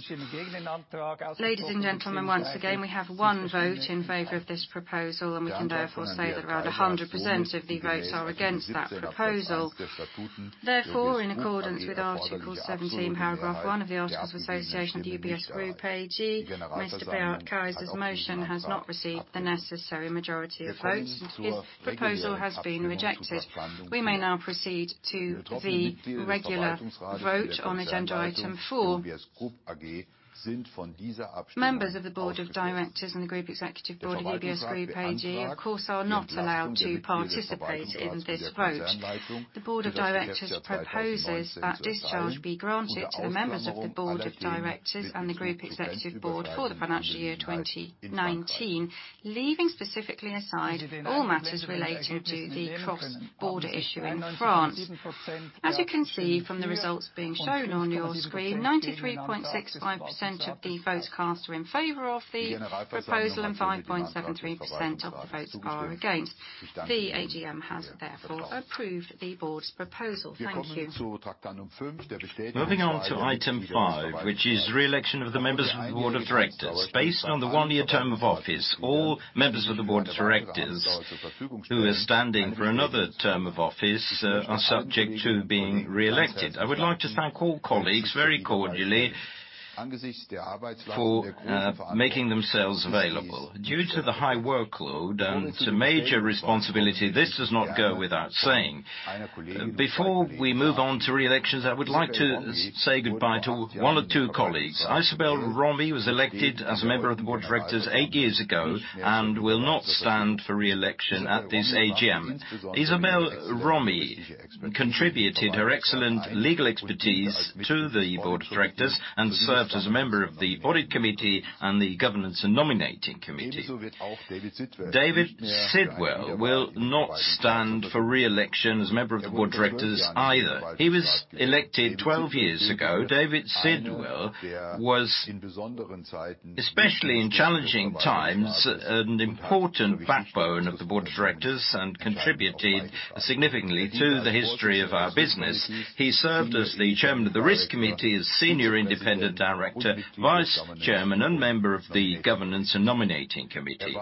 Ladies and gentlemen, once again, we have one vote in favor of this proposal. We can therefore say that around 100% of the votes are against that proposal. Therefore, in accordance with Article 17, Paragraph one of the Articles of Association of UBS Group AG, Mr. Bert Kaiser's motion has not received the necessary majority of votes. His proposal has been rejected. We may now proceed to the regular vote on agenda item four. Members of the Board of Directors and the Group Executive Board of UBS Group AG, of course, are not allowed to participate in this vote. The Board of Directors proposes that discharge be granted to the members of the Board of Directors and the Group Executive Board for the financial year 2019, leaving specifically aside all matters relating to the cross-border issue in France. As you can see from the results being shown on your screen, 93.65% of the votes cast are in favor of the proposal and 5.73% of the votes are against. The AGM has therefore approved the board's proposal. Thank you. Moving on to item five, which is re-election of the members of the Board of Directors. Based on the one-year term of office, all members of the Board of Directors who are standing for another term of office, are subject to being re-elected. I would like to thank all colleagues very cordially for making themselves available. Due to the high workload and to major responsibility, this does not go without saying. Before we move on to re-elections, I would like to say goodbye to one or two colleagues. Isabelle Romy was elected as a member of the Board of Directors eight years ago and will not stand for re-election at this AGM. Isabelle Romy contributed her excellent legal expertise to the Board of Directors and served as a member of the Audit Committee and the Governance and Nominating Committee. David Sidwell will not stand for re-election as a member of the Board of Directors either. He was elected 12 years ago. David Sidwell was, especially in challenging times, an important backbone of the Board of Directors and contributed significantly to the history of our business. He served as the chairman of the Risk Committee, as Senior Independent Director, vice chairman, and member of the Governance and Nominating Committee.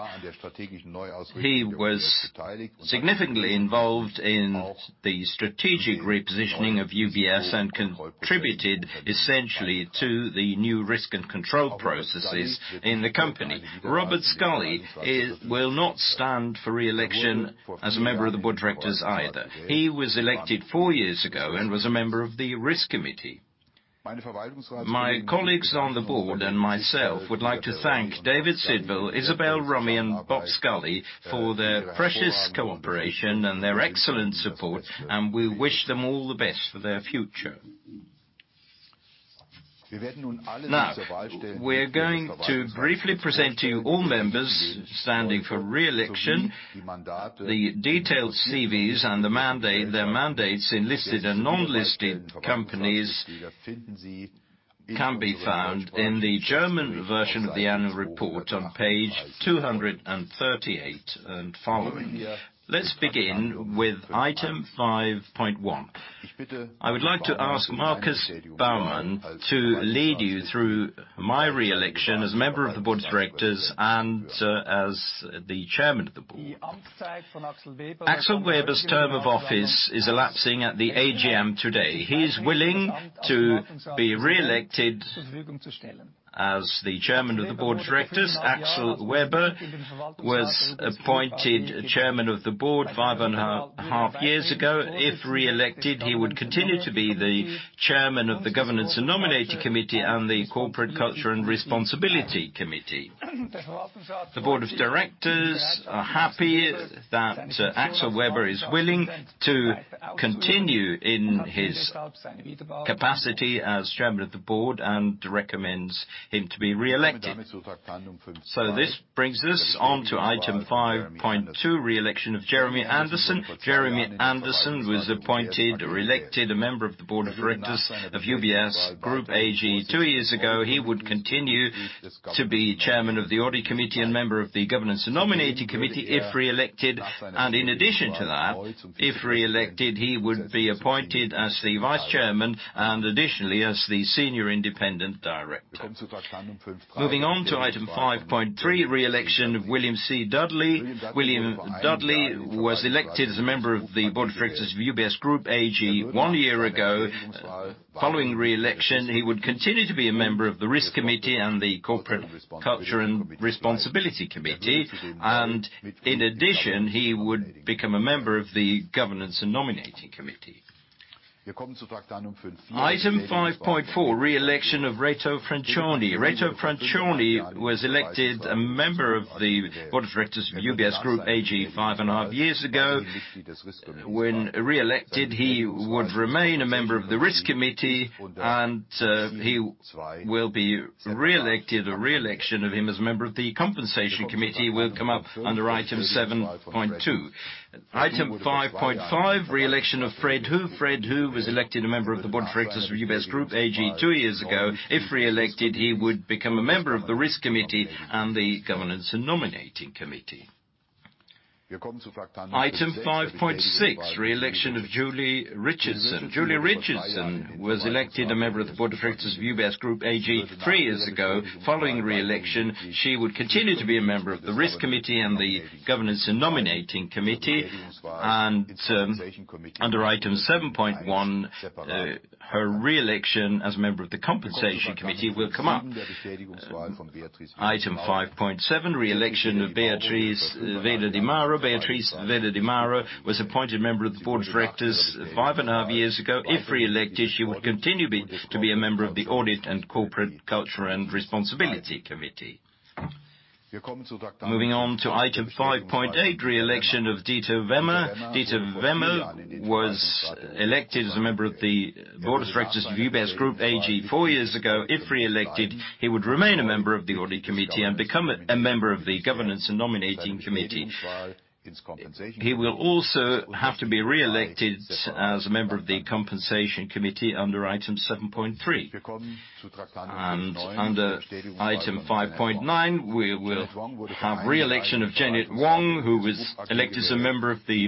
He was significantly involved in the strategic repositioning of UBS and contributed essentially to the new risk and control processes in the company. Robert Scully will not stand for re-election as a member of the board directors either. He was elected four years ago and was a member of the Risk Committee. My colleagues on the Board and myself would like to thank David Sidwell, Isabelle Romy, and Bob Scully for their precious cooperation and their excellent support, and we wish them all the best for their future. We're going to briefly present to you all members standing for re-election. The detailed CVs and their mandates in listed and non-listed companies can be found in the German version of the annual report on page 238 and following. Let's begin with item 5.1. I would like to ask Markus Baumann to lead you through my re-election as a member of the Board of Directors and as the Chairman of the Board. Axel Weber's term of office is elapsing at the AGM today. He is willing to be re-elected as the Chairman of the Board of Directors. Axel Weber was appointed Chairman of the Board five and a half years ago. If re-elected, he would continue to be the Chairman of the Governance and Nominating Committee and the Corporate Culture and Responsibility Committee. The Board of Directors are happy that Axel Weber is willing to continue in his capacity as Chairman of the Board and recommends him to be re-elected. This brings us on to item 5.2, re-election of Jeremy Anderson. Jeremy Anderson was appointed, elected a Member of the Board of Directors of UBS Group AG two years ago. He would continue to be Chairman of the Audit Committee and Member of the Governance and Nominating Committee if re-elected. In addition to that, if re-elected, he would be appointed as the Vice Chairman and additionally as the Senior Independent Director. Moving on to item 5.3, re-election of William C. Dudley. William Dudley was elected as a member of the Board of Directors of UBS Group AG one year ago. Following re-election, he would continue to be a member of the Risk Committee and the Corporate Culture and Responsibility Committee, and in addition, he would become a member of the Governance and Nominating Committee. Item 5.4, re-election of Reto Francioni. Reto Francioni was elected a member of the Board of Directors of UBS Group AG five and a half years ago. When re-elected, he would remain a member of the Risk Committee, and he will be re-elected. A re-election of him as a member of the Compensation Committee will come up under item 7.2. Item 5.5, re-election of Fred Hu. Fred Hu was elected a member of the Board of Directors of UBS Group AG two years ago. If re-elected, he would become a member of the Risk Committee and the Governance and Nominating Committee. Item 5.6, re-election of Julie Richardson. Julie Richardson was elected a member of the Board of Directors of UBS Group AG three years ago. Following re-election, she would continue to be a member of the Risk Committee and the Governance and Nominating Committee, and under item 7.1, her re-election as a member of the Compensation Committee will come up. Item 5.7, re-election of Beatrice Weder di Mauro. Beatrice Weder di Mauro was appointed a member of the board of directors five and a half years ago. If re-elected, she will continue to be a member of the Audit and Corporate Culture and Responsibility Committee. Moving on to item 5.8, re-election of Dieter Wemmer. Dieter Wemmer was elected as a member of the Board of Directors of UBS Group AG four years ago. If re-elected, he would remain a member of the Audit Committee and become a member of the Governance and Nominating Committee. He will also have to be re-elected as a member of the Compensation Committee under item 7.3. Under item 5.9, we will have re-election of Jeanette Wong, who was elected as a member of the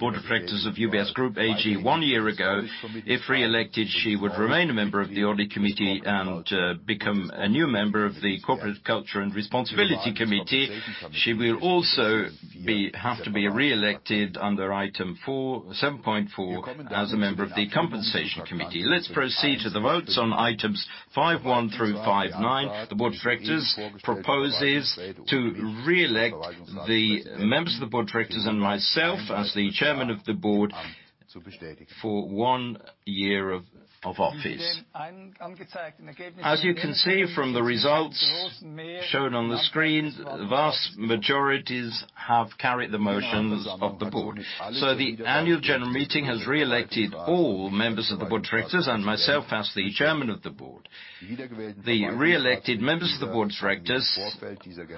Board of Directors of UBS Group AG one year ago. If re-elected, she would remain a member of the Audit Committee and become a new member of the Corporate Culture and Responsibility Committee. She will also have to be re-elected under item 7.4 as a member of the Compensation Committee. Let's proceed to the votes on items 5.1 through 5.9. The Board of Directors proposes to re-elect the members of the Board of Directors and myself as the Chairman of the Board for one year of office. As you can see from the results shown on the screen, vast majorities have carried the motions of the board. The Annual General Meeting has re-elected all members of the Board of Directors and myself as the Chairman of the Board. The re-elected members of the Board of Directors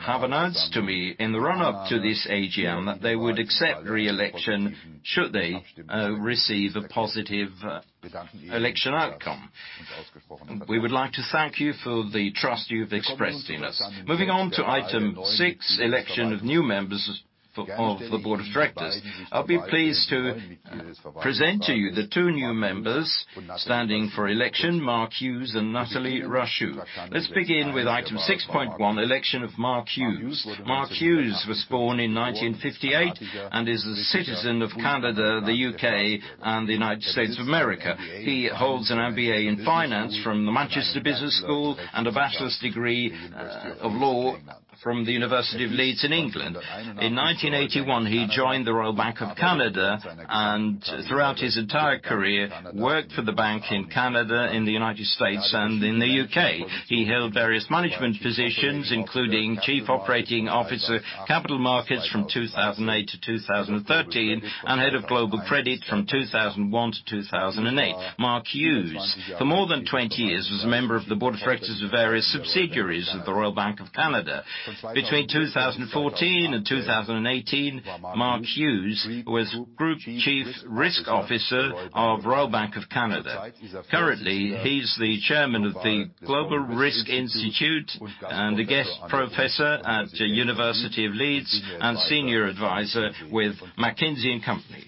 have announced to me in the run-up to this AGM that they would accept re-election should they receive a positive election outcome. We would like to thank you for the trust you've expressed in us. Moving on to item 6, election of new members of the Board of Directors. I'll be pleased to present to you the two new members standing for election, Mark Hughes and Nathalie Rachou. Let's begin with item 6.1, election of Mark Hughes. Mark Hughes was born in 1958 and is a citizen of Canada, the U.K., and the United States of America. He holds an MBA in finance from the Manchester Business School and a bachelor's degree of law from the University of Leeds in England. In 1981, he joined the Royal Bank of Canada. Throughout his entire career, worked for the bank in Canada, in the U.S., and in the U.K. He held various management positions, including Chief Operating Officer, Capital Markets from 2008 to 2013, and Head of Global Credit from 2001-2008. Mark Hughes, for more than 20 years, was a member of the board of directors of various subsidiaries of the Royal Bank of Canada. Between 2014 and 2018, Mark Hughes was Group Chief Risk Officer of Royal Bank of Canada. Currently, he's the chairman of the Global Risk Institute and a guest professor at University of Leeds, and senior advisor with McKinsey & Company.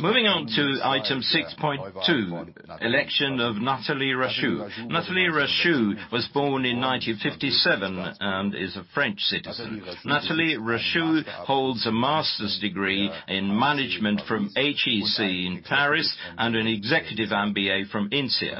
Moving on to item 6.2, election of Nathalie Rachou. Nathalie Rachou was born in 1957 and is a French citizen. Nathalie Rachou holds a master's degree in management from HEC in Paris and an executive MBA from INSEAD.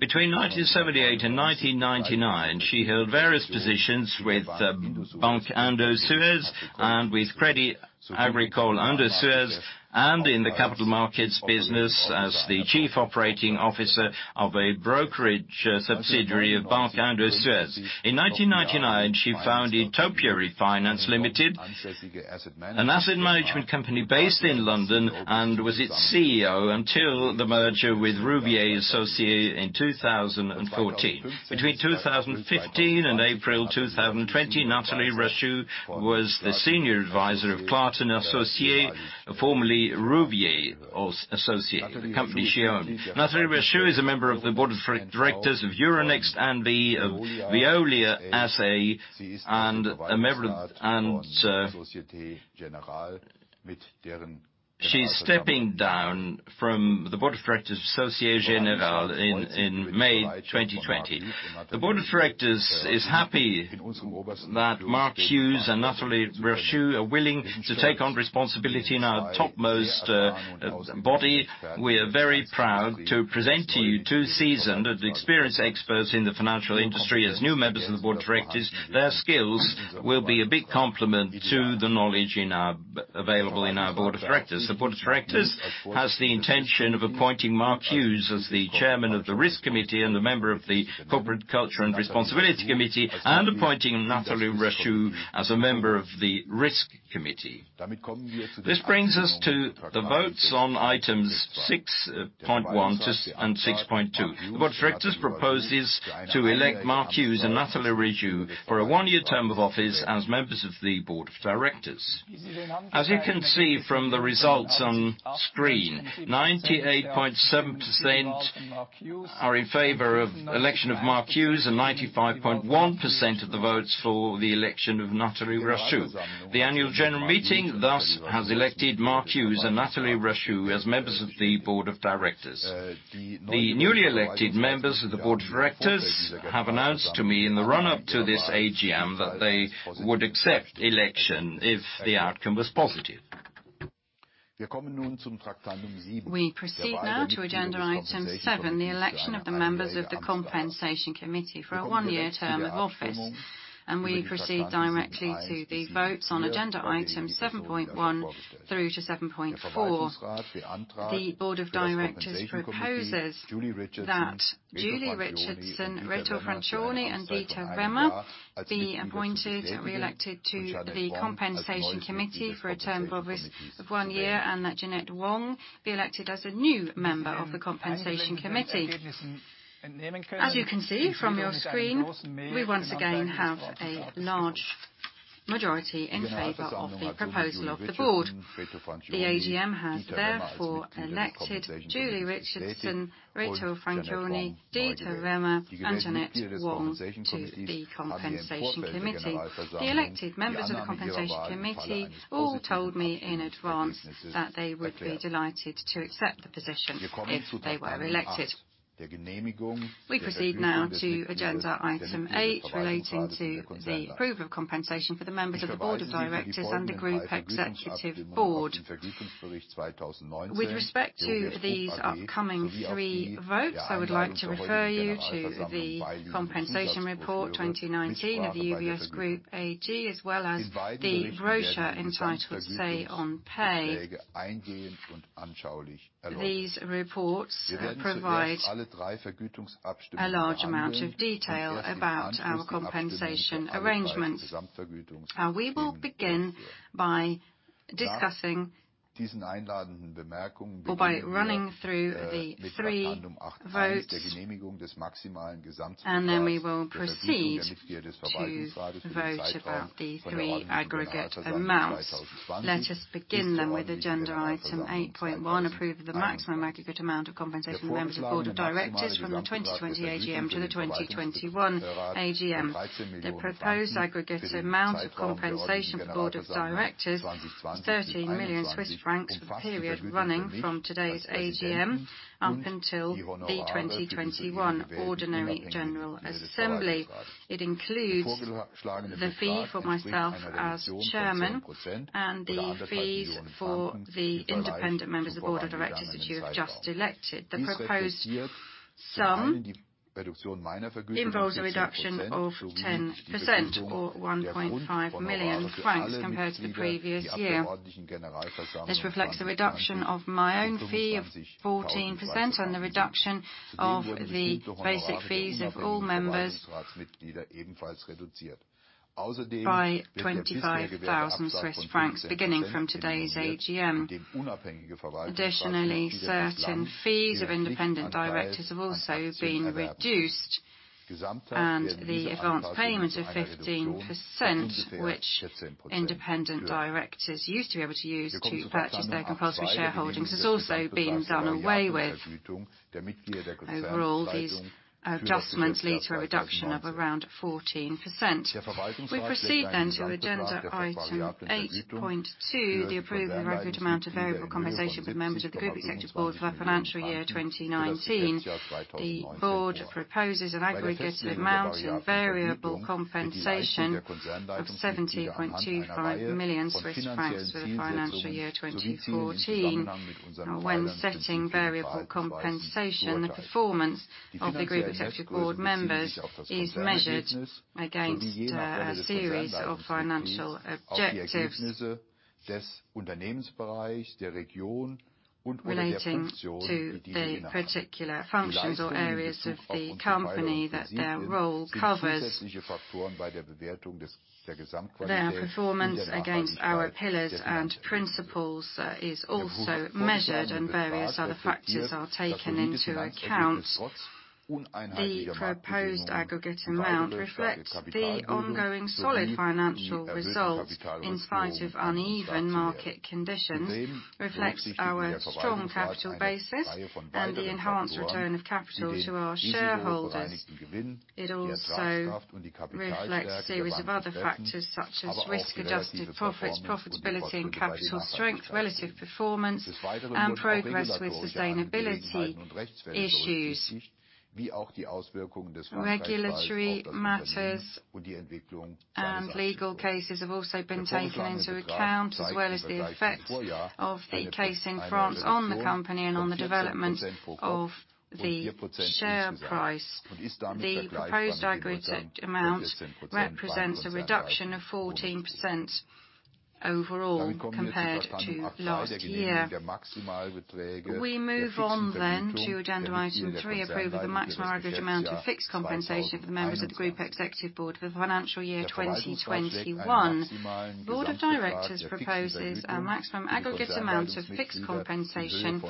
Between 1978 and 1999, she held various positions with Banque Indosuez, and with Crédit Agricole Indosuez, and in the capital markets business as the chief operating officer of a brokerage subsidiary of Banque Indosuez. In 1999, she founded Topiary Finance Limited, an asset management company based in London, and was its CEO until the merger with Rouvier Associés in 2014. Between 2015 and April 2020, Nathalie Rachou was the senior advisor of Clarté Associés, formerly Rouvier Associés, the company she owned. Nathalie Rachou is a member of the board of directors of Euronext and Veolia SA. She's stepping down from the board of directors of Société Générale in May 2020. The Board of Directors is happy that Mark Hughes and Nathalie Rachou are willing to take on responsibility in our topmost body. We are very proud to present to you two seasoned and experienced experts in the financial industry as new members of the Board of Directors. Their skills will be a big complement to the knowledge available in our Board of Directors. The Board of Directors has the intention of appointing Mark Hughes as the Chairman of the Risk Committee and a member of the Corporate Culture and Responsibility Committee, and appointing Nathalie Rachou as a member of the Risk Committee. This brings us to the votes on items 6.1 and 6.2. The Board of Directors proposes to elect Mark Hughes and Nathalie Rachou for a one-year term of office as members of the Board of Directors. As you can see from the results on screen, 98.7% are in favor of election of Mark Hughes and 95.1% of the votes for the election of Nathalie Rachou. The Annual General Meeting thus has elected Mark Hughes and Nathalie Rachou as members of the Board of Directors. The newly elected members of the Board of Directors have announced to me in the run-up to this AGM that they would accept election if the outcome was positive. We proceed now to agenda item 7, the election of the members of the Compensation Committee for a one-year term of office, and we proceed directly to the votes on agenda item 7.1 through to 7.4. The board of directors proposes that Julie Richardson, Reto Francioni, and Dieter Wemmer be appointed and reelected to the Compensation Committee for a term of office of one year, and that Jeanette Wong be elected as a new member of the Compensation Committee. As you can see from your screen, we once again have a large majority in favor of the proposal of the board. The AGM has therefore elected Julie Richardson, Reto Francioni, Dieter Wemmer, and Jeanette Wong to the Compensation Committee. The elected members of the Compensation Committee all told me in advance that they would be delighted to accept the position if they were elected. We proceed now to agenda item eight, relating to the approval of compensation for the members of the Board of Directors and the Group Executive Board. With respect to these upcoming three votes, I would like to refer you to the compensation report 2019 of the UBS Group AG, as well as the brochure entitled Say on Pay. These reports provide a large amount of detail about our compensation arrangements. We will begin by discussing or by running through the three votes. We will proceed to vote about the three aggregate amounts. Let us begin with agenda item 8.1, approve the maximum aggregate amount of compensation for members of Board of Directors from the 2020 AGM to the 2021 AGM. The proposed aggregate amount of compensation for Board of Directors is 13 million Swiss francs for the period running from today's AGM up until the 2021 ordinary general assembly. It includes the fee for myself as chairman and the fees for the independent members of Board of Directors that you have just elected. The proposed sum involves a reduction of 10% or 1.5 million francs compared to the previous year. This reflects a reduction of my own fee of 14% and the reduction of the basic fees of all members by 25,000 Swiss francs beginning from today's AGM. Additionally, certain fees of independent directors have also been reduced, and the advance payment of 15%, which independent directors used to be able to use to purchase their compulsory shareholdings, has also been done away with. Overall, these adjustments lead to a reduction of around 14%. We proceed to agenda item 8.2, the approval of aggregate amount of variable compensation for the members of the Group Executive Board for the financial year 2019. The Board proposes an aggregate amount in variable compensation of 70.25 million Swiss francs for the financial year 2014. When setting variable compensation, the performance of the Group Executive Board members is measured against a series of financial objectives relating to the particular functions or areas of the company that their role covers. Their performance against our pillars and principles is also measured, and various other factors are taken into account. The proposed aggregate amount reflects the ongoing solid financial results in spite of uneven market conditions, reflects our strong capital base and the enhanced return of capital to our shareholders. It also reflects series of other factors such as risk-adjusted profits, profitability and capital strength, relative performance, and progress with sustainability issues. Regulatory matters and legal cases have also been taken into account, as well as the effect of the case in France on the company and on the development of the share price. The proposed aggregate amount represents a reduction of 14% overall compared to last year. We move on then to agenda item three, approval of the maximum aggregate amount of fixed compensation for the members of the Group Executive Board for the financial year 2021. Board of Directors proposes a maximum aggregate amount of fixed compensation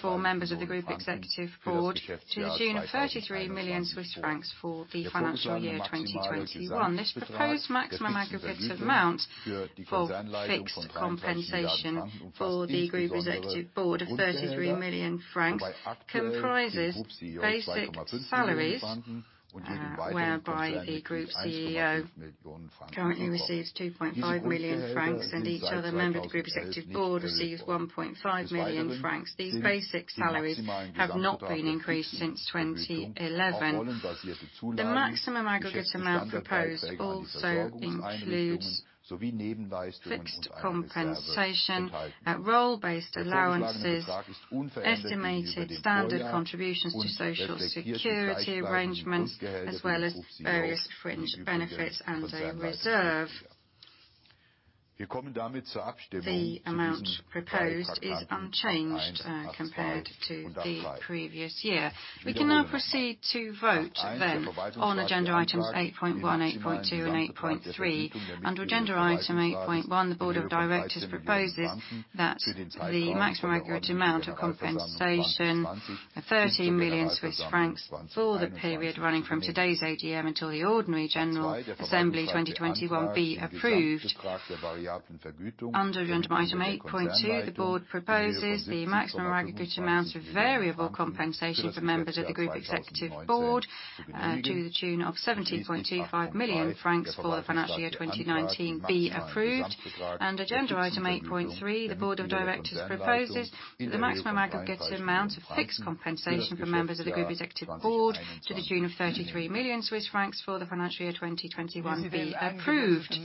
for members of the Group Executive Board to the tune of 33 million Swiss francs for the financial year 2021. This proposed maximum aggregate amount for fixed compensation for the Group Executive Board of 33 million francs comprises basic salaries, whereby the Group CEO currently receives 2.5 million francs, and each other member of the Group Executive Board receives 1.5 million francs. These basic salaries have not been increased since 2011. The maximum aggregate amount proposed also includes fixed compensation at role-based allowances, estimated standard contributions to Social Security arrangements, as well as various fringe benefits and a reserve. The amount proposed is unchanged compared to the previous year. We can now proceed to vote then on agenda items 8.1, 8.2, and 8.3. Under agenda item 8.1, the Board of Directors proposes that the maximum aggregate amount of compensation of 30 million Swiss francs for the period running from today's AGM until the ordinary general assembly 2021 be approved. Under item 8.2, the board proposes the maximum aggregate amount of variable compensation for members of the Group Executive Board to the tune of 70.25 million francs for the financial year 2019 be approved. Under agenda item 8.3, the Board of Directors proposes that the maximum aggregate amount of fixed compensation for members of the Group Executive Board to the tune of 33 million Swiss francs for the financial year 2021 be approved.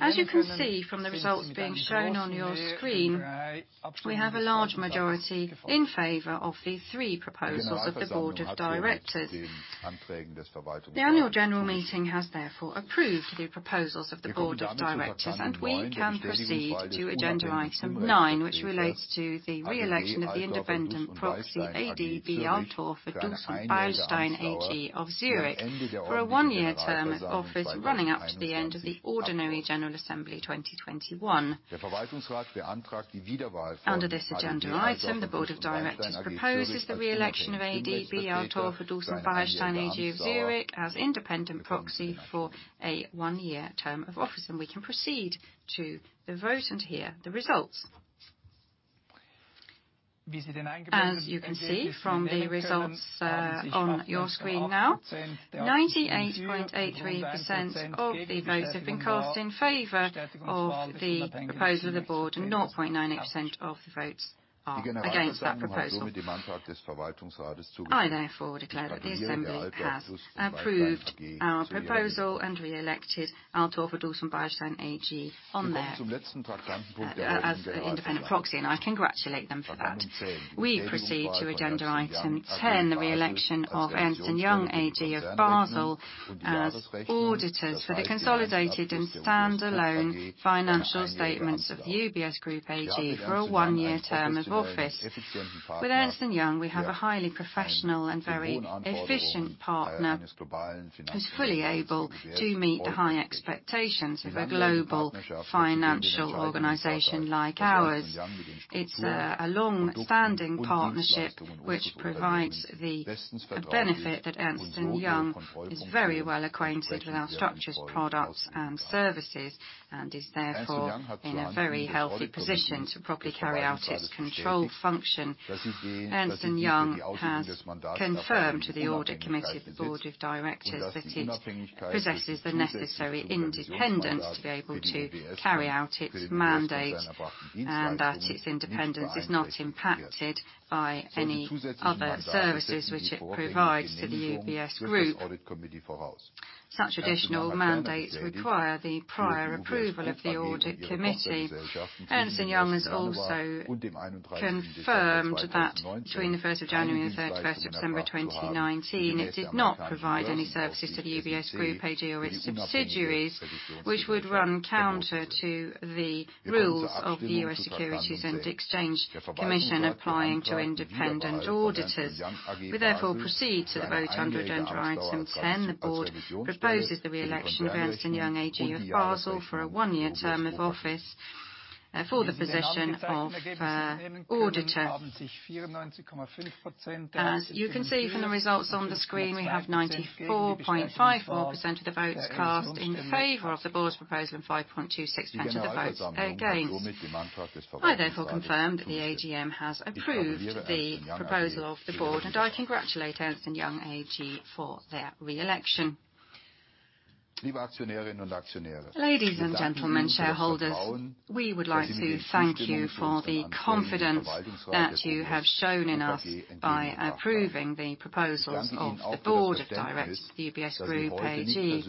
As you can see from the results being shown on your screen, we have a large majority in favor of the three proposals of the Board of Directors. The annual general meeting has therefore approved the proposals of the Board of Directors. We can proceed to agenda item nine, which relates to the re-election of the independent proxy, Adi B. ADB Altorfer Duss & Beilstein AG of Zurich for a one-year term of office running up to the end of the Ordinary General Assembly 2021. Under this agenda item, the Board of Directors proposes the re-election of ADB Altorfer Duss & Beilstein AG of Zurich as independent proxy for a one-year term of office. We can proceed to the vote and hear the results. As you can see from the results on your screen now, 98.83% of the votes have been cast in favor of the proposal of the Board and 0.98% of the votes are against that proposal. I therefore declare that the Assembly has approved our proposal and reelected ADB Altorfer Duss & Beilstein AG on there as the independent proxy, and I congratulate them for that. We proceed to agenda item 10, the re-election of Ernst & Young AG of Basel as auditors for the consolidated and standalone financial statements of the UBS Group AG for a one-year term of office. With Ernst & Young, we have a highly professional and very efficient partner who's fully able to meet the high expectations of a global financial organization like ours. It's a long-standing partnership which provides the benefit that Ernst & Young is very well acquainted with our structures, products, and services, and is therefore in a very healthy position to properly carry out its control function. Ernst & Young has confirmed to the Audit Committee of the Board of Directors that it possesses the necessary independence to be able to carry out its mandate, and that its independence is not impacted by any other services which it provides to the UBS Group. Such additional mandates require the prior approval of the Audit Committee. Ernst & Young has also confirmed that between the 1st of January and the 31st of December 2019, it did not provide any services to the UBS Group AG or its subsidiaries, which would run counter to the rules of the U.S. Securities and Exchange Commission applying to independent auditors. We therefore proceed to the vote under agenda item 10. The board proposes the re-election of Ernst & Young AG of Basel for a one-year term of office for the position of auditor. As you can see from the results on the screen, we have 94.54% of the votes cast in favor of the board's proposal and 5.26% of the votes against. I therefore confirm that the AGM has approved the proposal of the board, and I congratulate Ernst & Young AG for their re-election. Ladies and gentlemen, shareholders, we would like to thank you for the confidence that you have shown in us by approving the proposals of the Board of Directors of the UBS Group AG.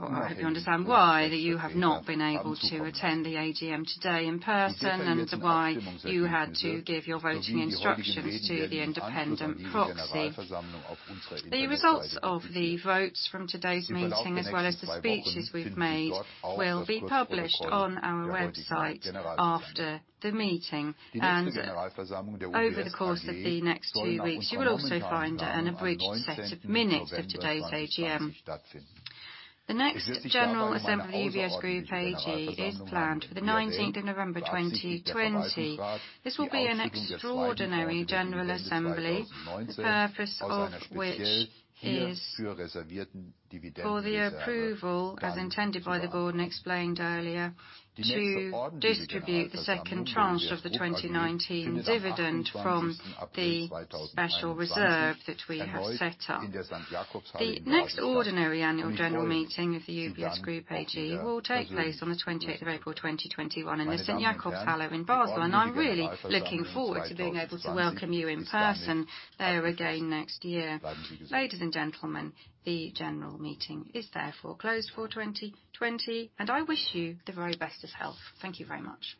I hope you understand why you have not been able to attend the AGM today in person, and why you had to give your voting instructions to the independent proxy. The results of the votes from today's meeting, as well as the speeches we've made, will be published on our website after the meeting. Over the course of the next two weeks, you will also find an abridged set of minutes of today's AGM. The next general assembly of UBS Group AG is planned for the 19th of November 2020. This will be an extraordinary general assembly, the purpose of which is for the approval, as intended by the board and explained earlier, to distribute the second tranche of the 2019 dividend from the special reserve that we have set up. The next ordinary annual general meeting of the UBS Group AG will take place on the 20th of April 2021 in the St. Jakobshalle in Basel, and I'm really looking forward to being able to welcome you in person there again next year. Ladies and gentlemen, the general meeting is therefore closed for 2020, and I wish you the very best of health. Thank you very much.